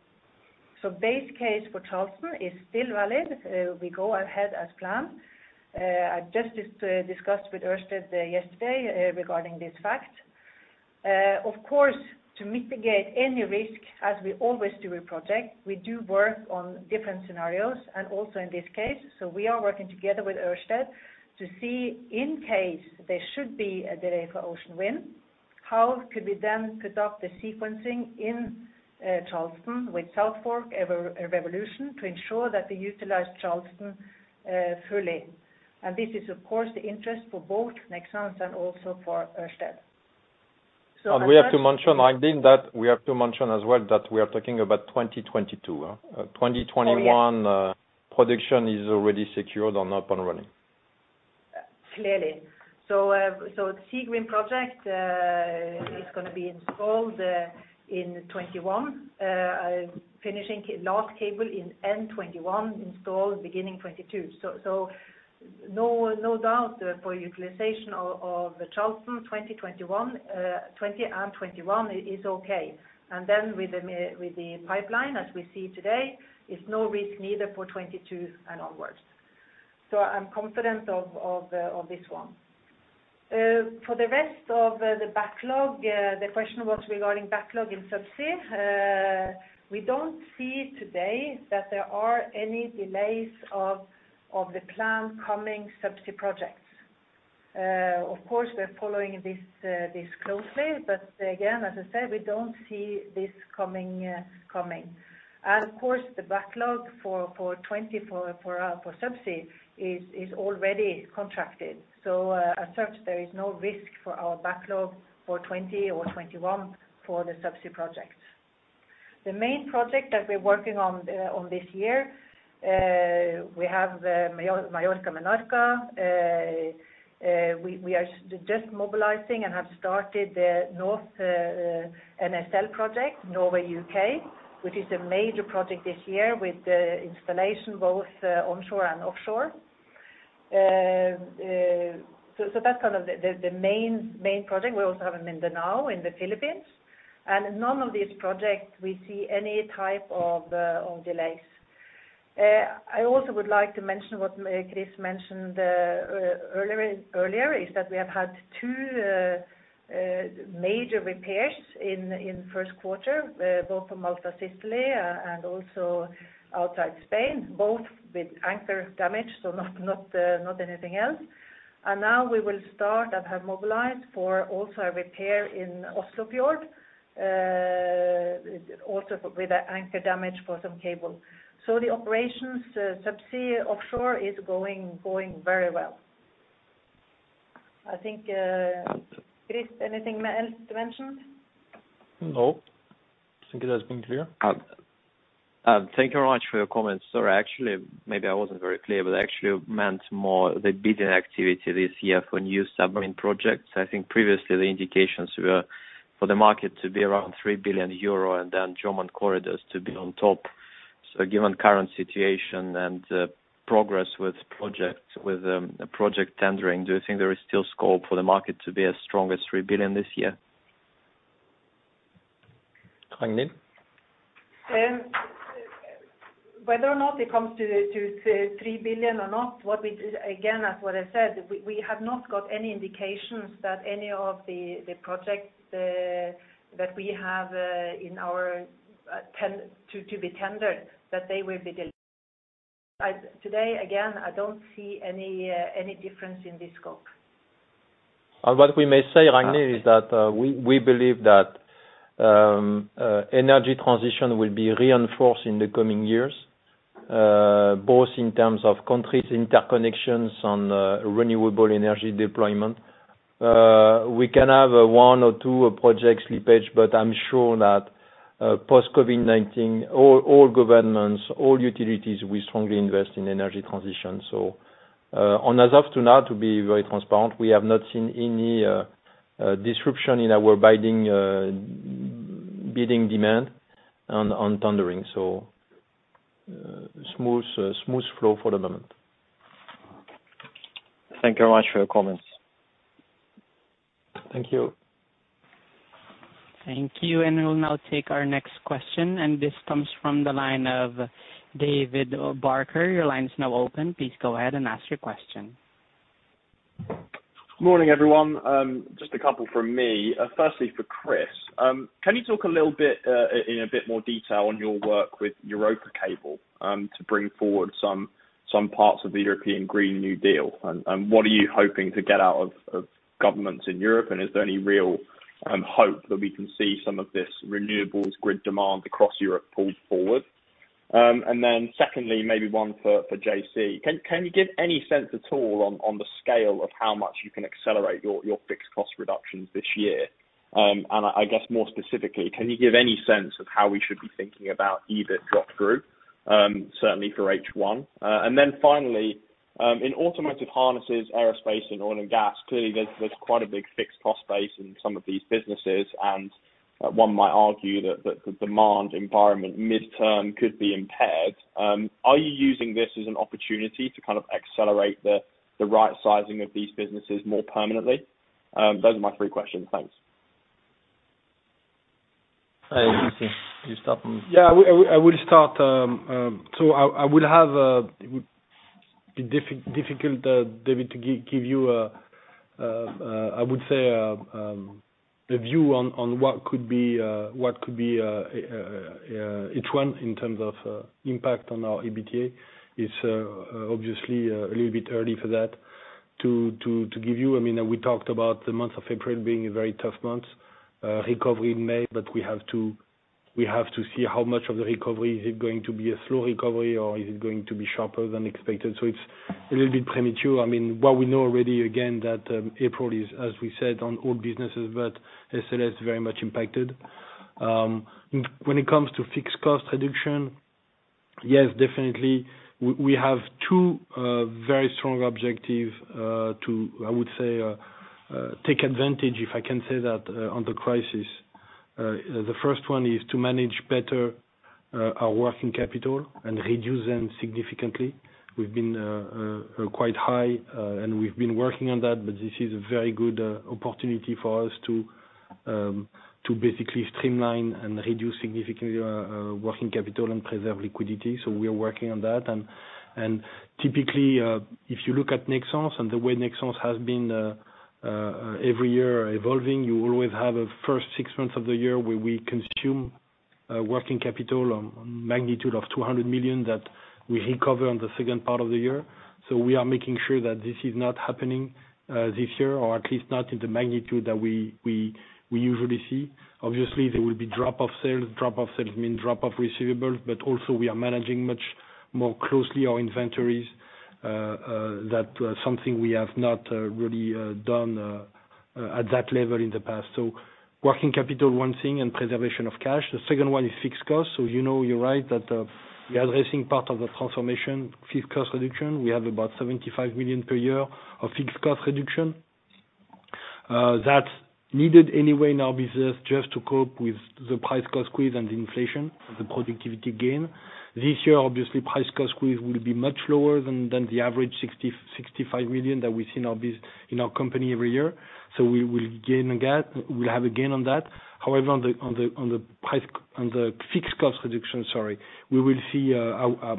So base case for Charleston is still valid. We go ahead as planned. I just discussed with Ørsted yesterday regarding this fact. Of course, to mitigate any risk, as we always do with projects, we do work on different scenarios and also in this case. So we are working together with Ørsted to see, in case there should be a delay for Ocean Wind, how could we then put up the sequencing in Charleston with South Fork, Revolution to ensure that we utilize Charleston fully. And this is, of course, the interest for both Nexans and also for Ørsted. And we have to mention, Ragnhild, that we have to mention as well that we are talking about 2022. 2021 production is already secured and up and running. Clearly. So Seagreen project is going to be installed in 2021, finishing last cable in end 2021, installed beginning 2022. So no doubt for utilization of Charleston 2021 and 2021 is okay. Then with the pipeline, as we see today, is no risk neither for 2022 and onward. So I'm confident of this one. For the rest of the backlog, the question was regarding backlog in subsea. We don't see today that there are any delays of the planned coming subsea projects. Of course, we're following this closely. But again, as I said, we don't see this coming. And of course, the backlog for 2020 for subsea is already contracted. So as such, there is no risk for our backlog for 2020 or 2021 for the subsea projects. The main project that we're working on this year, we have Mallorca-Menorca. We are just mobilizing and have started the North Sea Link project, Norway-U.K., which is a major project this year with the installation both onshore and offshore. So that's kind of the main project. We also have them in the Mindanao in the Philippines. None of these projects, we see any type of delays. I also would like to mention what Chris mentioned earlier is that we have had two major repairs in first quarter, both from Malta, Sicily, and also outside Spain, both with anchor damage, so not anything else. Now we will start and have mobilized for also a repair in Oslofjord, also with anchor damage for some cable. So the operations subsea offshore is going very well. I think, Chris, anything else to mention? No. I think it has been clear. Thank you very much for your comments, sir. Actually, maybe I wasn't very clear, but actually meant more the bidding activity this year for new submarine projects. I think previously, the indications were for the market to be around 3 billion euro and then German corridors to be on top. So given current situation and progress with project tendering, do you think there is still scope for the market to be as strong as 3 billion this year? Ragnhild? Whether or not it comes to 3 billion or not, again, as what I said, we have not got any indications that any of the projects that we have in our to be tendered, that they will be delayed. Today, again, I don't see any difference in this scope. And what we may say, Ragnhild, is that we believe that energy transition will be reinforced in the coming years, both in terms of countries' interconnections and renewable energy deployment. We can have one or two projects slippage, but I'm sure that post-COVID-19, all governments, all utilities, we strongly invest in energy transition. So as of now, to be very transparent, we have not seen any disruption in our bidding demand and tendering. So smooth flow for the moment. Thank you very much for your comments. Thank you. Thank you. We will now take our next question. This comes from the line of David Barker. Your line is now open. Please go ahead and ask your question. Good morning, everyone. Just a couple from me. Firstly, for Chris, can you talk a little bit in a bit more detail on your work with Europacable to bring forward some parts of the European Green New Deal? And what are you hoping to get out of governments in Europe? And is there any real hope that we can see some of this renewables grid demand across Europe pulled forward? And then secondly, maybe one for JC. Can you give any sense at all on the scale of how much you can accelerate your fixed cost reductions this year? And I guess more specifically, can you give any sense of how we should be thinking about EBIT drop-through, certainly for H1? And then finally, in automotive harnesses, aerospace, and oil and gas, clearly, there's quite a big fixed cost base in some of these businesses. And one might argue that the demand environment mid-term could be impaired. Are you using this as an opportunity to kind of accelerate the right-sizing of these businesses more permanently? Those are my three questions. Thanks. JC, do you start on? Yeah. I will start. So I will have it would be difficult, David, to give you, I would say, a view on what could be H1 in terms of impact on our EBITDA. It's obviously a little bit early for that to give you. I mean, we talked about the month of April being a very tough month, recovery in May, but we have to see how much of the recovery is it going to be a slow recovery, or is it going to be sharper than expected? So it's a little bit premature. I mean, what we know already, again, that April is, as we said, on all businesses, but SLS is very much impacted. When it comes to fixed cost reduction, yes, definitely, we have two very strong objectives to, I would say, take advantage, if I can say that, on the crisis. The first one is to manage better our working capital and reduce them significantly. We've been quite high, and we've been working on that. But this is a very good opportunity for us to basically streamline and reduce significantly our working capital and preserve liquidity. So we are working on that. And typically, if you look at Nexans and the way Nexans has been every year evolving, you always have the first six months of the year where we consume working capital on magnitude of 200 million that we recover on the second part of the year. So we are making sure that this is not happening this year, or at least not in the magnitude that we usually see. Obviously, there will be drop-off sales. Drop-off sales mean drop-off receivables. But also, we are managing much more closely our inventories. That's something we have not really done at that level in the past. So working capital, one thing, and preservation of cash. The second one is fixed costs. So you know you're right that we're addressing part of the transformation, fixed cost reduction. We have about 75 million per year of fixed cost reduction. That's needed anyway in our business just to cope with the price-cost squeeze and the inflation, the productivity gain. This year, obviously, price-cost squeeze will be much lower than the average 65 million that we see in our company every year. So we'll have a gain on that. However, on the fixed cost reduction, sorry, we will see a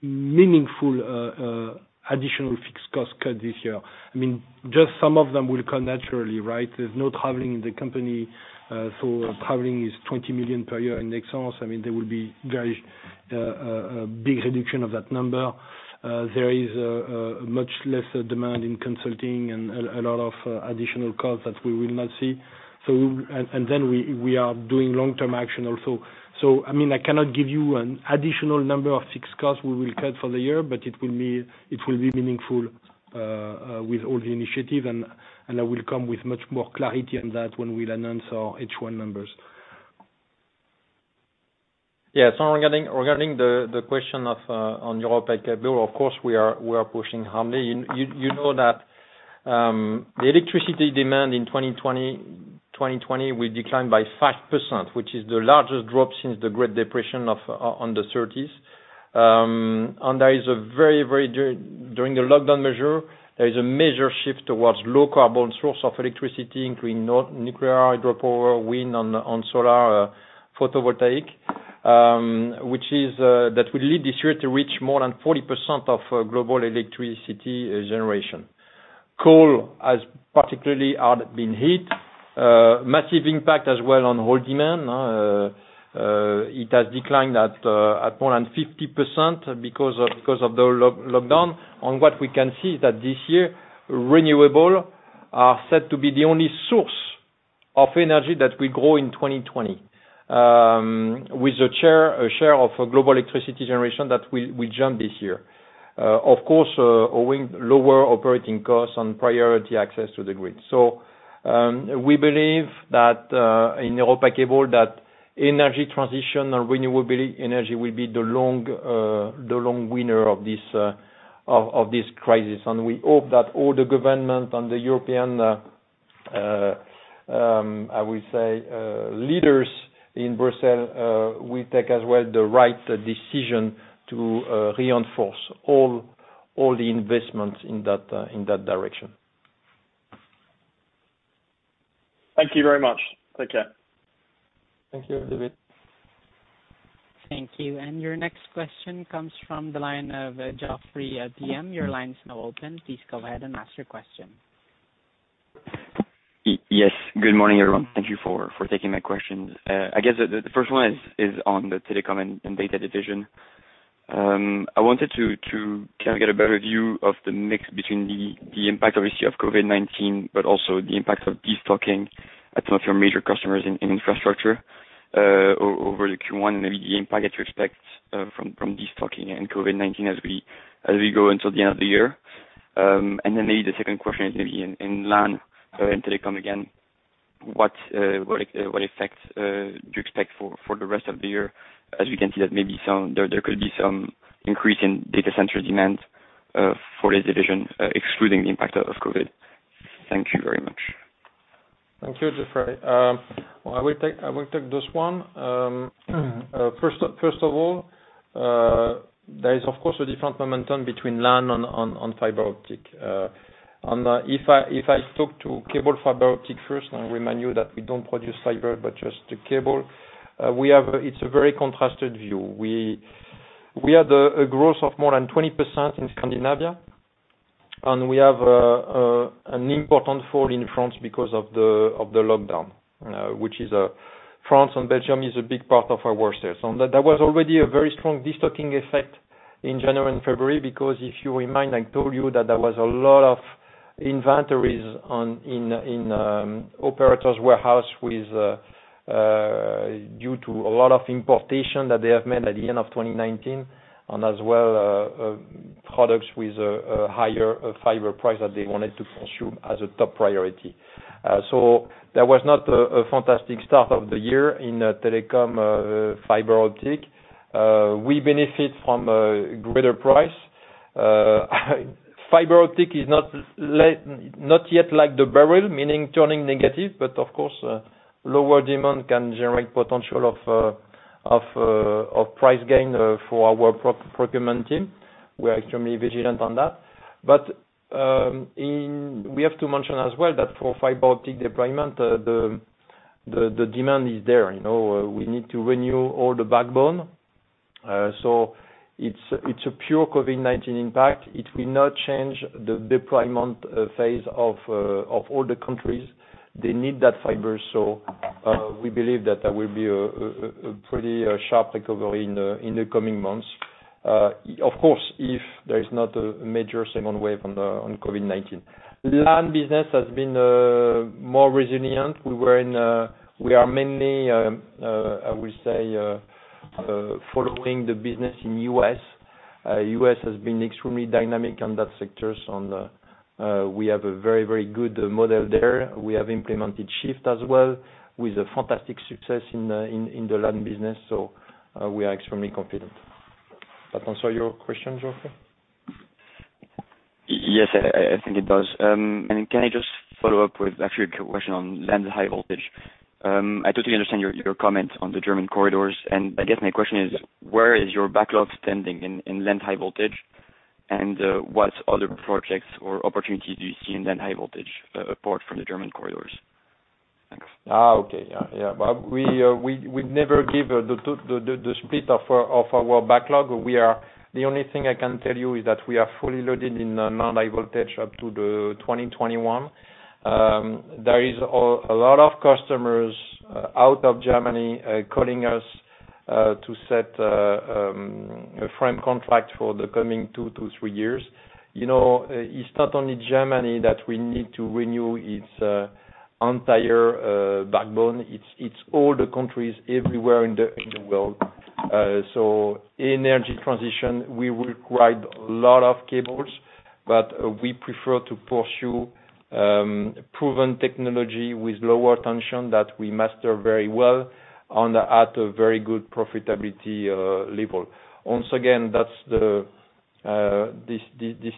meaningful additional fixed cost cut this year. I mean, just some of them will come naturally, right? There's no traveling in the company. So traveling is 20 million per year in Nexans. I mean, there will be very big reduction of that number. There is much less demand in consulting and a lot of additional costs that we will not see. And then we are doing long-term action also. So I mean, I cannot give you an additional number of fixed costs we will cut for the year, but it will be meaningful with all the initiative. And I will come with much more clarity on that when we'll announce our H1 numbers. Yeah. So regarding the question on Europacable, of course, we are pushing hard. You know that the electricity demand in 2020 will decline by 5%, which is the largest drop since the Great Depression in the 1930s. And during the lockdown measure, there is a major shift towards low-carbon source of electricity, including nuclear, hydropower, wind, and solar, photovoltaic, which will lead this year to reach more than 40% of global electricity generation. Coal has particularly been hit, massive impact as well on oil demand. It has declined at more than 50% because of the lockdown. What we can see is that this year, renewables are said to be the only source of energy that will grow in 2020 with a share of global electricity generation that will jump this year, of course, owing lower operating costs and priority access to the grid. We believe that in Europacable, that energy transition and renewable energy will be the long winner of this crisis. We hope that all governments and the European, I would say, leaders in Brussels will take as well the right decision to reinforce all the investments in that direction. Thank you very much. Take care. Thank you, David. Thank you. And your next question comes from the line of Geoffrey at DM. Your line is now open. Please go ahead and ask your question. Yes. Good morning, everyone. Thank you for taking my questions. I guess the first one is on the Telecom and Data division. I wanted to kind of get a better view of the mix between the impact, obviously, of COVID-19, but also the impact of de-stocking at some of your major customers in infrastructure over the Q1 and maybe the impact that you expect from de-stocking and COVID-19 as we go until the end of the year. And then maybe the second question is maybe in LAN and telecom again, what effect do you expect for the rest of the year as we can see that maybe there could be some increase in data center demand for this division, excluding the impact of COVID? Thank you very much. Thank you, Geoffrey. Well, I will take this one. First of all, there is, of course, a different momentum between LAN and fiber optic. If I talk to cable fiber optic first, and I remind you that we don't produce fiber but just the cable, it's a very contrasted view. We had a growth of more than 20% in Scandinavia. We have an important fall in France because of the lockdown, which is France and Belgium is a big part of our wire sales. And that was already a very strong de-stocking effect in January and February because if you remember, I told you that there was a lot of inventories in operators' warehouse due to a lot of importation that they have made at the end of 2019 and as well products with a higher fiber price that they wanted to consume as a top priority. So there was not a fantastic start of the year in telecom fiber optic. We benefit from a greater price. Fiber optic is not yet like the barrel, meaning turning negative, but of course, lower demand can generate potential of price gain for our procurement team. We are extremely vigilant on that. But we have to mention as well that for fiber optic deployment, the demand is there. We need to renew all the backbone. So it's a pure COVID-19 impact. It will not change the deployment phase of all the countries. They need that fiber. So we believe that there will be a pretty sharp recovery in the coming months, of course, if there is not a major second wave on COVID-19. LAN business has been more resilient. We are mainly, I would say, following the business in U.S. U.S. has been extremely dynamic on that sector. So we have a very, very good model there. We have implemented SHIFT as well with a fantastic success in the LAN business. So we are extremely confident. That answers your question, Geoffrey? Yes. I think it does. Can I just follow up with actually a quick question on LAN's High Voltage? I totally understand your comment on the German corridors. And I guess my question is, where is your backlog standing in LAN's High Voltage? And what other projects or opportunities do you see in LAN's High Voltage apart from the German corridors? Thanks. Okay. Yeah. Yeah. We never give the split of our backlog. The only thing I can tell you is that we are fully loaded in non-high voltage up to 2021. There is a lot of customers out of Germany calling us to set a framed contract for the coming two to three years. It's not only Germany that we need to renew its entire backbone. It's all the countries everywhere in the world. So energy transition, we will ride a lot of cables, but we prefer to pursue proven technology with lower tension that we master very well at a very good profitability level. Once again, this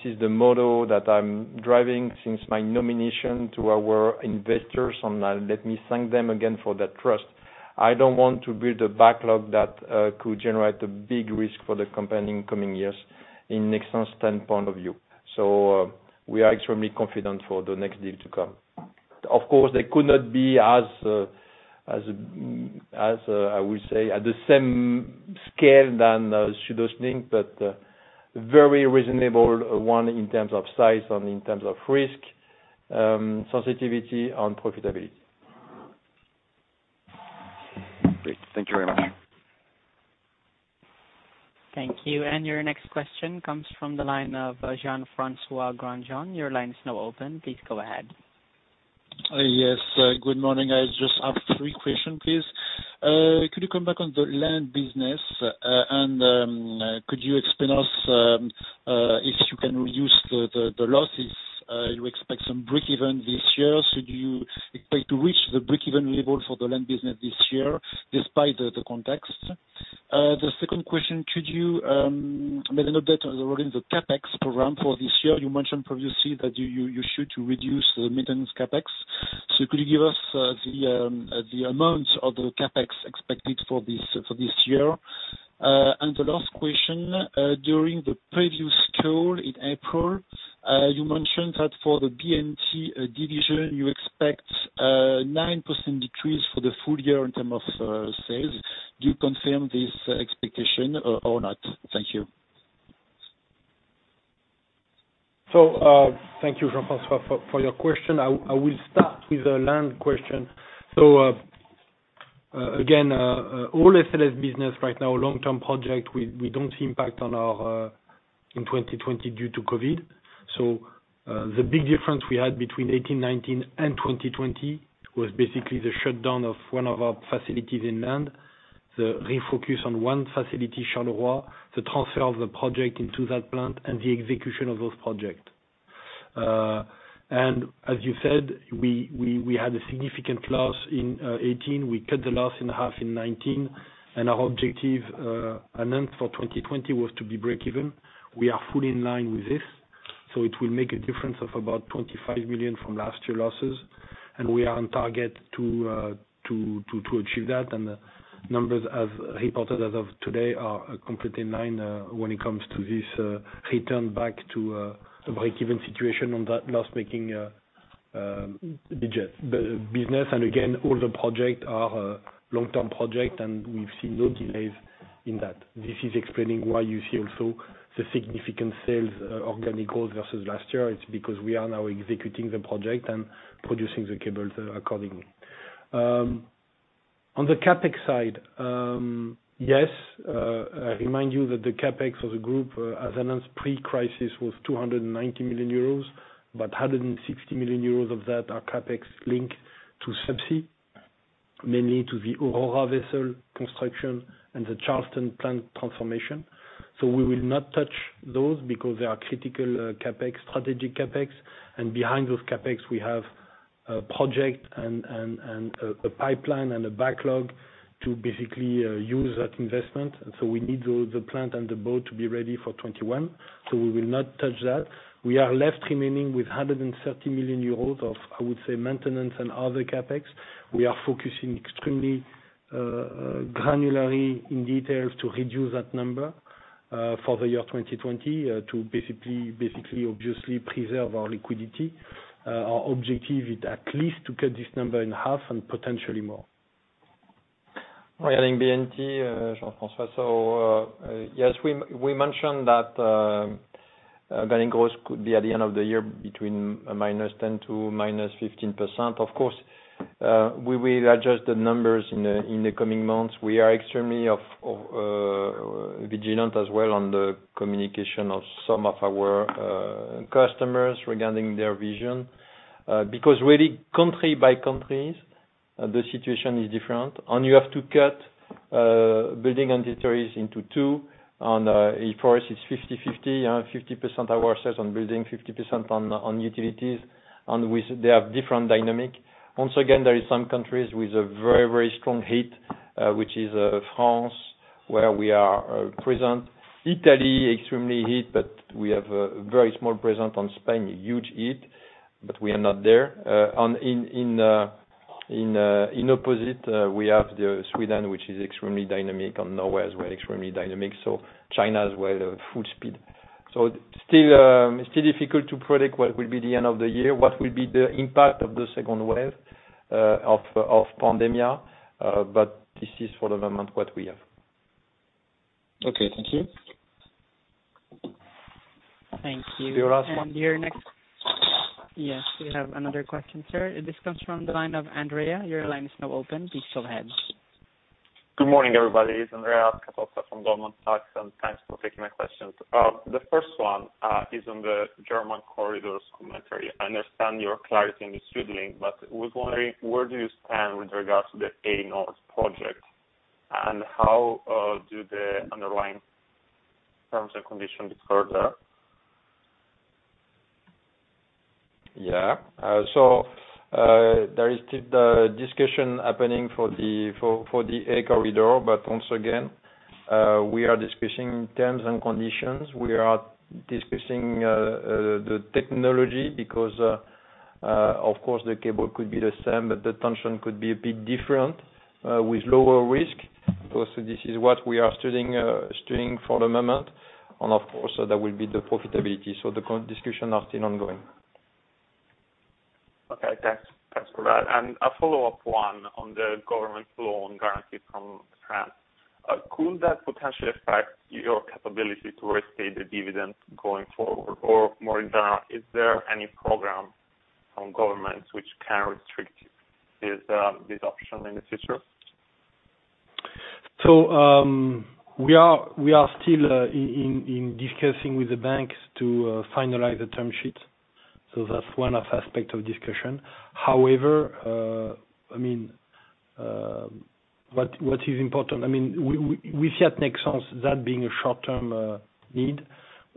is the motto that I'm driving since my nomination to our investors. And let me thank them again for that trust. I don't want to build a backlog that could generate a big risk for the company in coming years in Nexans' standpoint of view. So we are extremely confident for the next deal to come. Of course, they could not be as, I would say, at the same scale than SüdOstLink, but very reasonable one in terms of size and in terms of risk, sensitivity, and profitability. Great. Thank you very much. Thank you. Your next question comes from the line of Jean-François Granjon. Your line is now open. Please go ahead. Yes. Good morning. I just have three questions, please. Could you come back on the LAN business? And could you explain to us if you can reduce the losses? You expect some break-even this year. So do you expect to reach the break-even level for the LAN business this year despite the context? The second question, could you make an update regarding the CapEx program for this year? You mentioned previously that you should reduce the maintenance CapEx. So could you give us the amount of the CapEx expected for this year? And the last question, during the previous call in April, you mentioned that for the B&T division, you expect a 9% decrease for the full year in terms of sales. Do you confirm this expectation or not? Thank you. So thank you, Jean-François, for your question. I will start with a LAN question. So again, all SLS business right now, long-term project, we don't see impact in 2020 due to COVID. So the big difference we had between 2018, 2019, and 2020 was basically the shutdown of one of our facilities in LAN, the refocus on one facility, Charleroi, the transfer of the project into that plant, and the execution of those projects. And as you said, we had a significant loss in 2018. We cut the loss in half in 2019. And our objective announced for 2020 was to be break-even. We are fully in line with this. So it will make a difference of about 25 million from last year losses. And we are on target to achieve that. The numbers, as reported as of today, are completely in line when it comes to this return back to a break-even situation on that loss-making business. And again, all the projects are long-term projects, and we've seen no delays in that. This is explaining why you see also the significant sales organic growth versus last year. It's because we are now executing the project and producing the cables accordingly. On the CapEx side, yes. I remind you that the CapEx for the group, as announced pre-crisis, was 290 million euros, but 160 million euros of that are CapEx linked to Subsea, mainly to the Aurora vessel construction and the Charleston plant transformation. So we will not touch those because they are critical CapEx, strategic CapEx. Behind those CapEx, we have a project and a pipeline and a backlog to basically use that investment. So we need the plant and the boat to be ready for 2021. So we will not touch that. We are left remaining with 130 million euros of, I would say, maintenance and other CapEx. We are focusing extremely granularly in details to reduce that number for the year 2020 to basically, obviously, preserve our liquidity. Our objective is at least to cut this number in half and potentially more. Regarding B&T, Jean-François, so yes, we mentioned that the gross could be at the end of the year between -10% to -15%. Of course, we will adjust the numbers in the coming months. We are extremely vigilant as well on the communication of some of our customers regarding their vision because really, country by country, the situation is different. And you have to cut building and utilities into two. And for us, it's 50/50, 50% ourselves on building, 50% on utilities. And they have different dynamic. Once again, there are some countries with a very, very strong heat, which is France where we are present, Italy, extremely heat, but we have a very small presence on Spain, huge heat, but we are not there. And in opposite, we have Sweden, which is extremely dynamic, and Norway as well, extremely dynamic. So China as well, full speed. So still difficult to predict what will be the end of the year, what will be the impact of the second wave of pandemic. But this is for the moment what we have. Okay. Thank you. Thank you. Your last one. And your next? Yes. We have another question, sir. This comes from the line of Andrea. Your line is now open. Please go ahead. Good morning, everybody. It's Andrea Beneventi, Kepler Cheuvreux. Thanks for taking my questions. The first one is on the German corridors commentary. I understand your clarity on the SüdLink, but I was wondering, where do you stand with regards to the A-Nord project? And how do the underlying terms and conditions discussed there? Yeah. So there is still the discussion happening for the A-Nord corridor. But once again, we are discussing terms and conditions. We are discussing the technology because, of course, the cable could be the same, but the tension could be a bit different with lower risk. So this is what we are studying for the moment. And of course, there will be the profitability. So the discussions are still ongoing. Okay. Thanks for that. And a follow-up one on the government loan guarantee from France. Could that potentially affect your capability to raise the dividend going forward? Or more in general, is there any program from governments which can restrict this option in the future? So we are still discussing with the banks to finalize the term sheet. So that's one aspect of discussion. However, I mean, what is important? I mean, we see at Nexans that being a short-term need.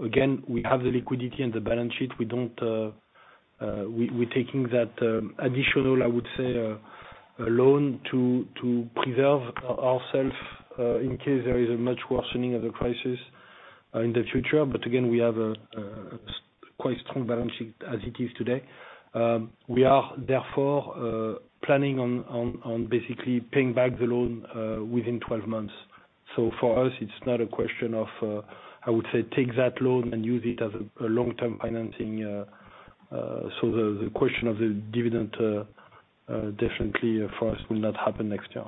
Again, we have the liquidity and the balance sheet. We're taking that additional, I would say, loan to preserve ourselves in case there is a much worsening of the crisis in the future. But again, we have a quite strong balance sheet as it is today. We are, therefore, planning on basically paying back the loan within 12 months. So for us, it's not a question of, I would say, take that loan and use it as a long-term financing. So the question of the dividend, definitely, for us, will not happen next year.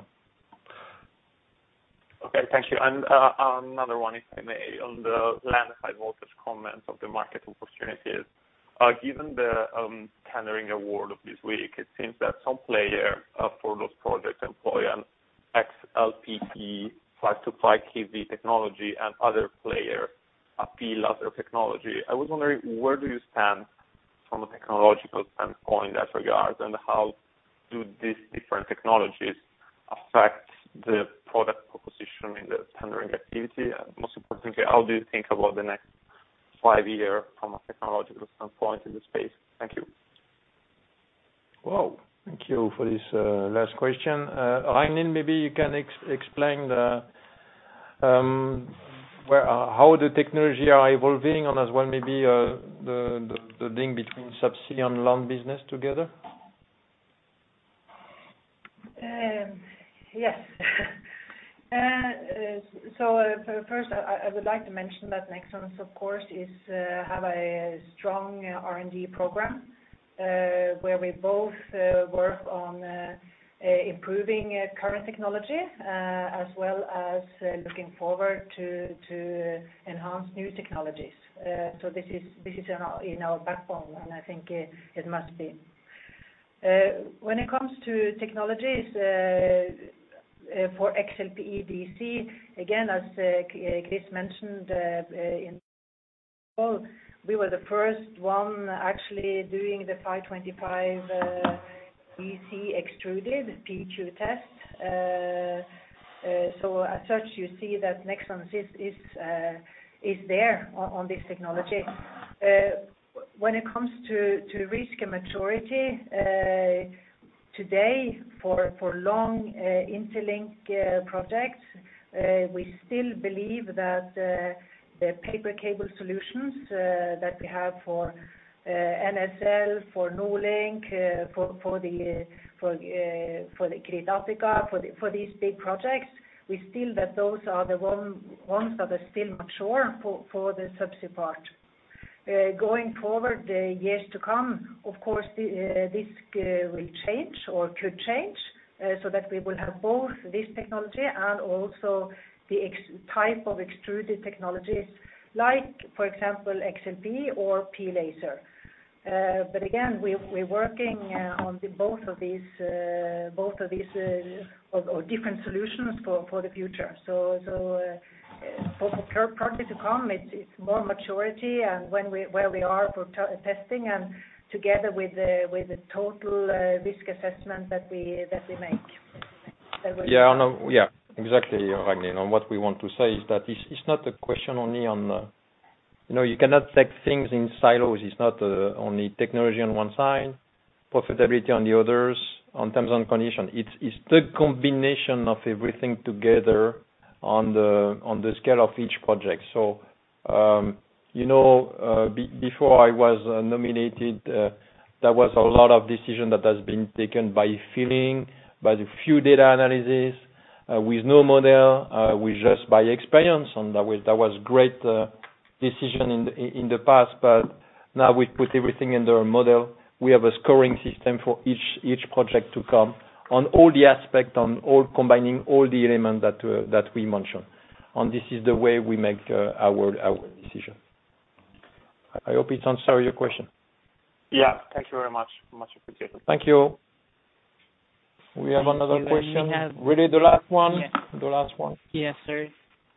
Okay. Thank you. And another one is on the land high voltage comments of the market opportunities. Given the TenneT award of this week, it seems that some players for those projects employ XLPE 525 kV technology, and other players employ other technology. I was wondering, where do you stand from a technological standpoint in that regard? And how do these different technologies affect the product proposition in the TenneT activity? And most importantly, how do you think about the next five years from a technological standpoint in the space? Thank you. Wow. Thank you for this last question. Ragnhild, maybe you can explain how the technology is evolving and as well maybe the link between subsea and land business together? Yes. So first, I would like to mention that Nexans, of course, has a strong R&D program where we both work on improving current technology as well as looking forward to enhanced new technologies. So this is in our backbone, and I think it must be. When it comes to technologies for XLPE DC, again, as Chris mentioned in the call, we were the first one actually doing the 525 kV DC extruded PQ test. So as such, you see that Nexans is there on this technology. When it comes to risk and maturity, today, for long interlink projects, we still believe that the paper cable solutions that we have for NSL, for NordLink, for the Crete-Attica, for these big projects, we still think that those are the ones that are still mature for the subsea part. Going forward, the years to come, of course, this will change or could change so that we will have both this technology and also the type of extruded technologies like, for example, XLPE or P-Laser. But again, we're working on both of these or different solutions for the future. So for projects to come, it's more maturity and where we are for testing and together with the total risk assessment that we make. Yeah. Yeah. Exactly, Ragnhild. And what we want to say is that it's not a question only on you cannot take things in silos. It's not only technology on one side, profitability on the others, on terms and conditions. It's the combination of everything together on the scale of each project. So before, I was nominated. There was a lot of decision that has been taken by feeling, by a few data analysis with no model, with just by experience. And that was great decision in the past. But now, we put everything under a model. We have a scoring system for each project to come on all the aspects, combining all the elements that we mentioned. And this is the way we make our decision. I hope it answered your question. Yeah. Thank you very much. Much appreciated. Thank you. We have another question. Really, the last one? The last one? Yes, sir.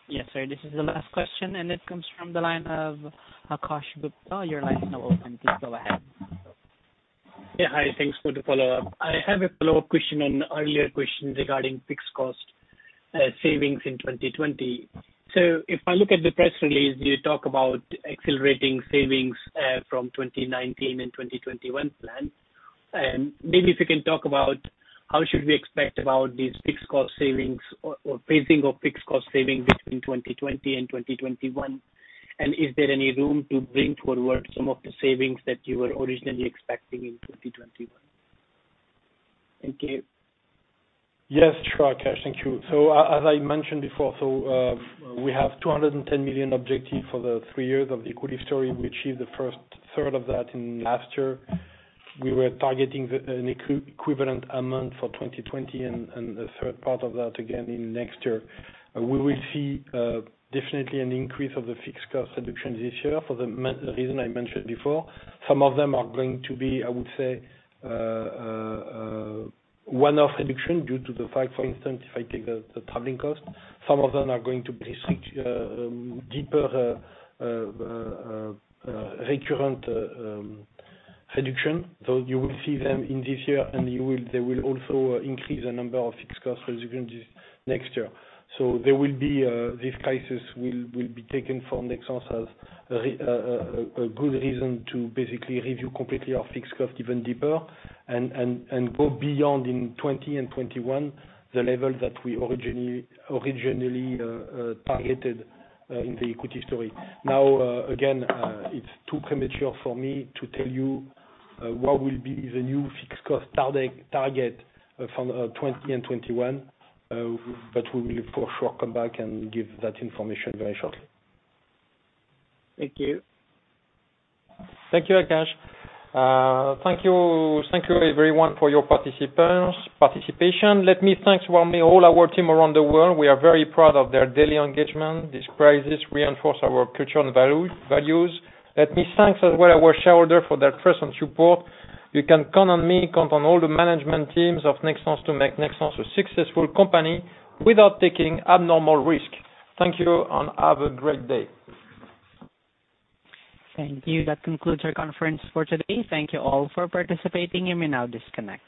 Yes, sir. This is the last question. And it comes from the line of Akash Gupta. Your line is now open. Please go ahead. Yeah. Hi. Thanks for the follow-up. I have a follow-up question on earlier questions regarding fixed cost savings in 2020. So if I look at the press release, you talk about accelerating savings from 2019 and 2021 plan. And maybe if you can talk about how should we expect about these fixed cost savings or phasing of fixed cost saving between 2020 and 2021? And is there any room to bring forward some of the savings that you were originally expecting in 2021? Thank you. Yes, sure, Akash. Thank you. So as I mentioned before, so we have 210 million objective for the three years of the equity story. We achieved the first third of that in last year. We were targeting an equivalent amount for 2020 and a third part of that, again, in next year. We will see definitely an increase of the fixed cost reduction this year for the reason I mentioned before. Some of them are going to be, I would say, one-off reduction due to the fact, for instance, if I take the traveling cost, some of them are going to be deeper recurrent reduction. So you will see them in this year, and they will also increase the number of fixed cost reductions next year. So this crisis will be taken for Nexans as a good reason to basically review completely our fixed cost even deeper and go beyond in 2020 and 2021 the level that we originally targeted in the equity story. Now, again, it's too premature for me to tell you what will be the new fixed cost target from 2020 and 2021. But we will for sure come back and give that information very shortly. Thank you. Thank you, Akash. Thank you, everyone, for your participation. Let me thank all our team around the world. We are very proud of their daily engagement. This crisis reinforces our culture and values. Let me thank as well our shareholders for their trust and support. You can count on me, count on all the management teams of Nexans to make Nexans a successful company without taking abnormal risk. Thank you and have a great day. Thank you. That concludes our conference for today. Thank you all for participating. You may now disconnect.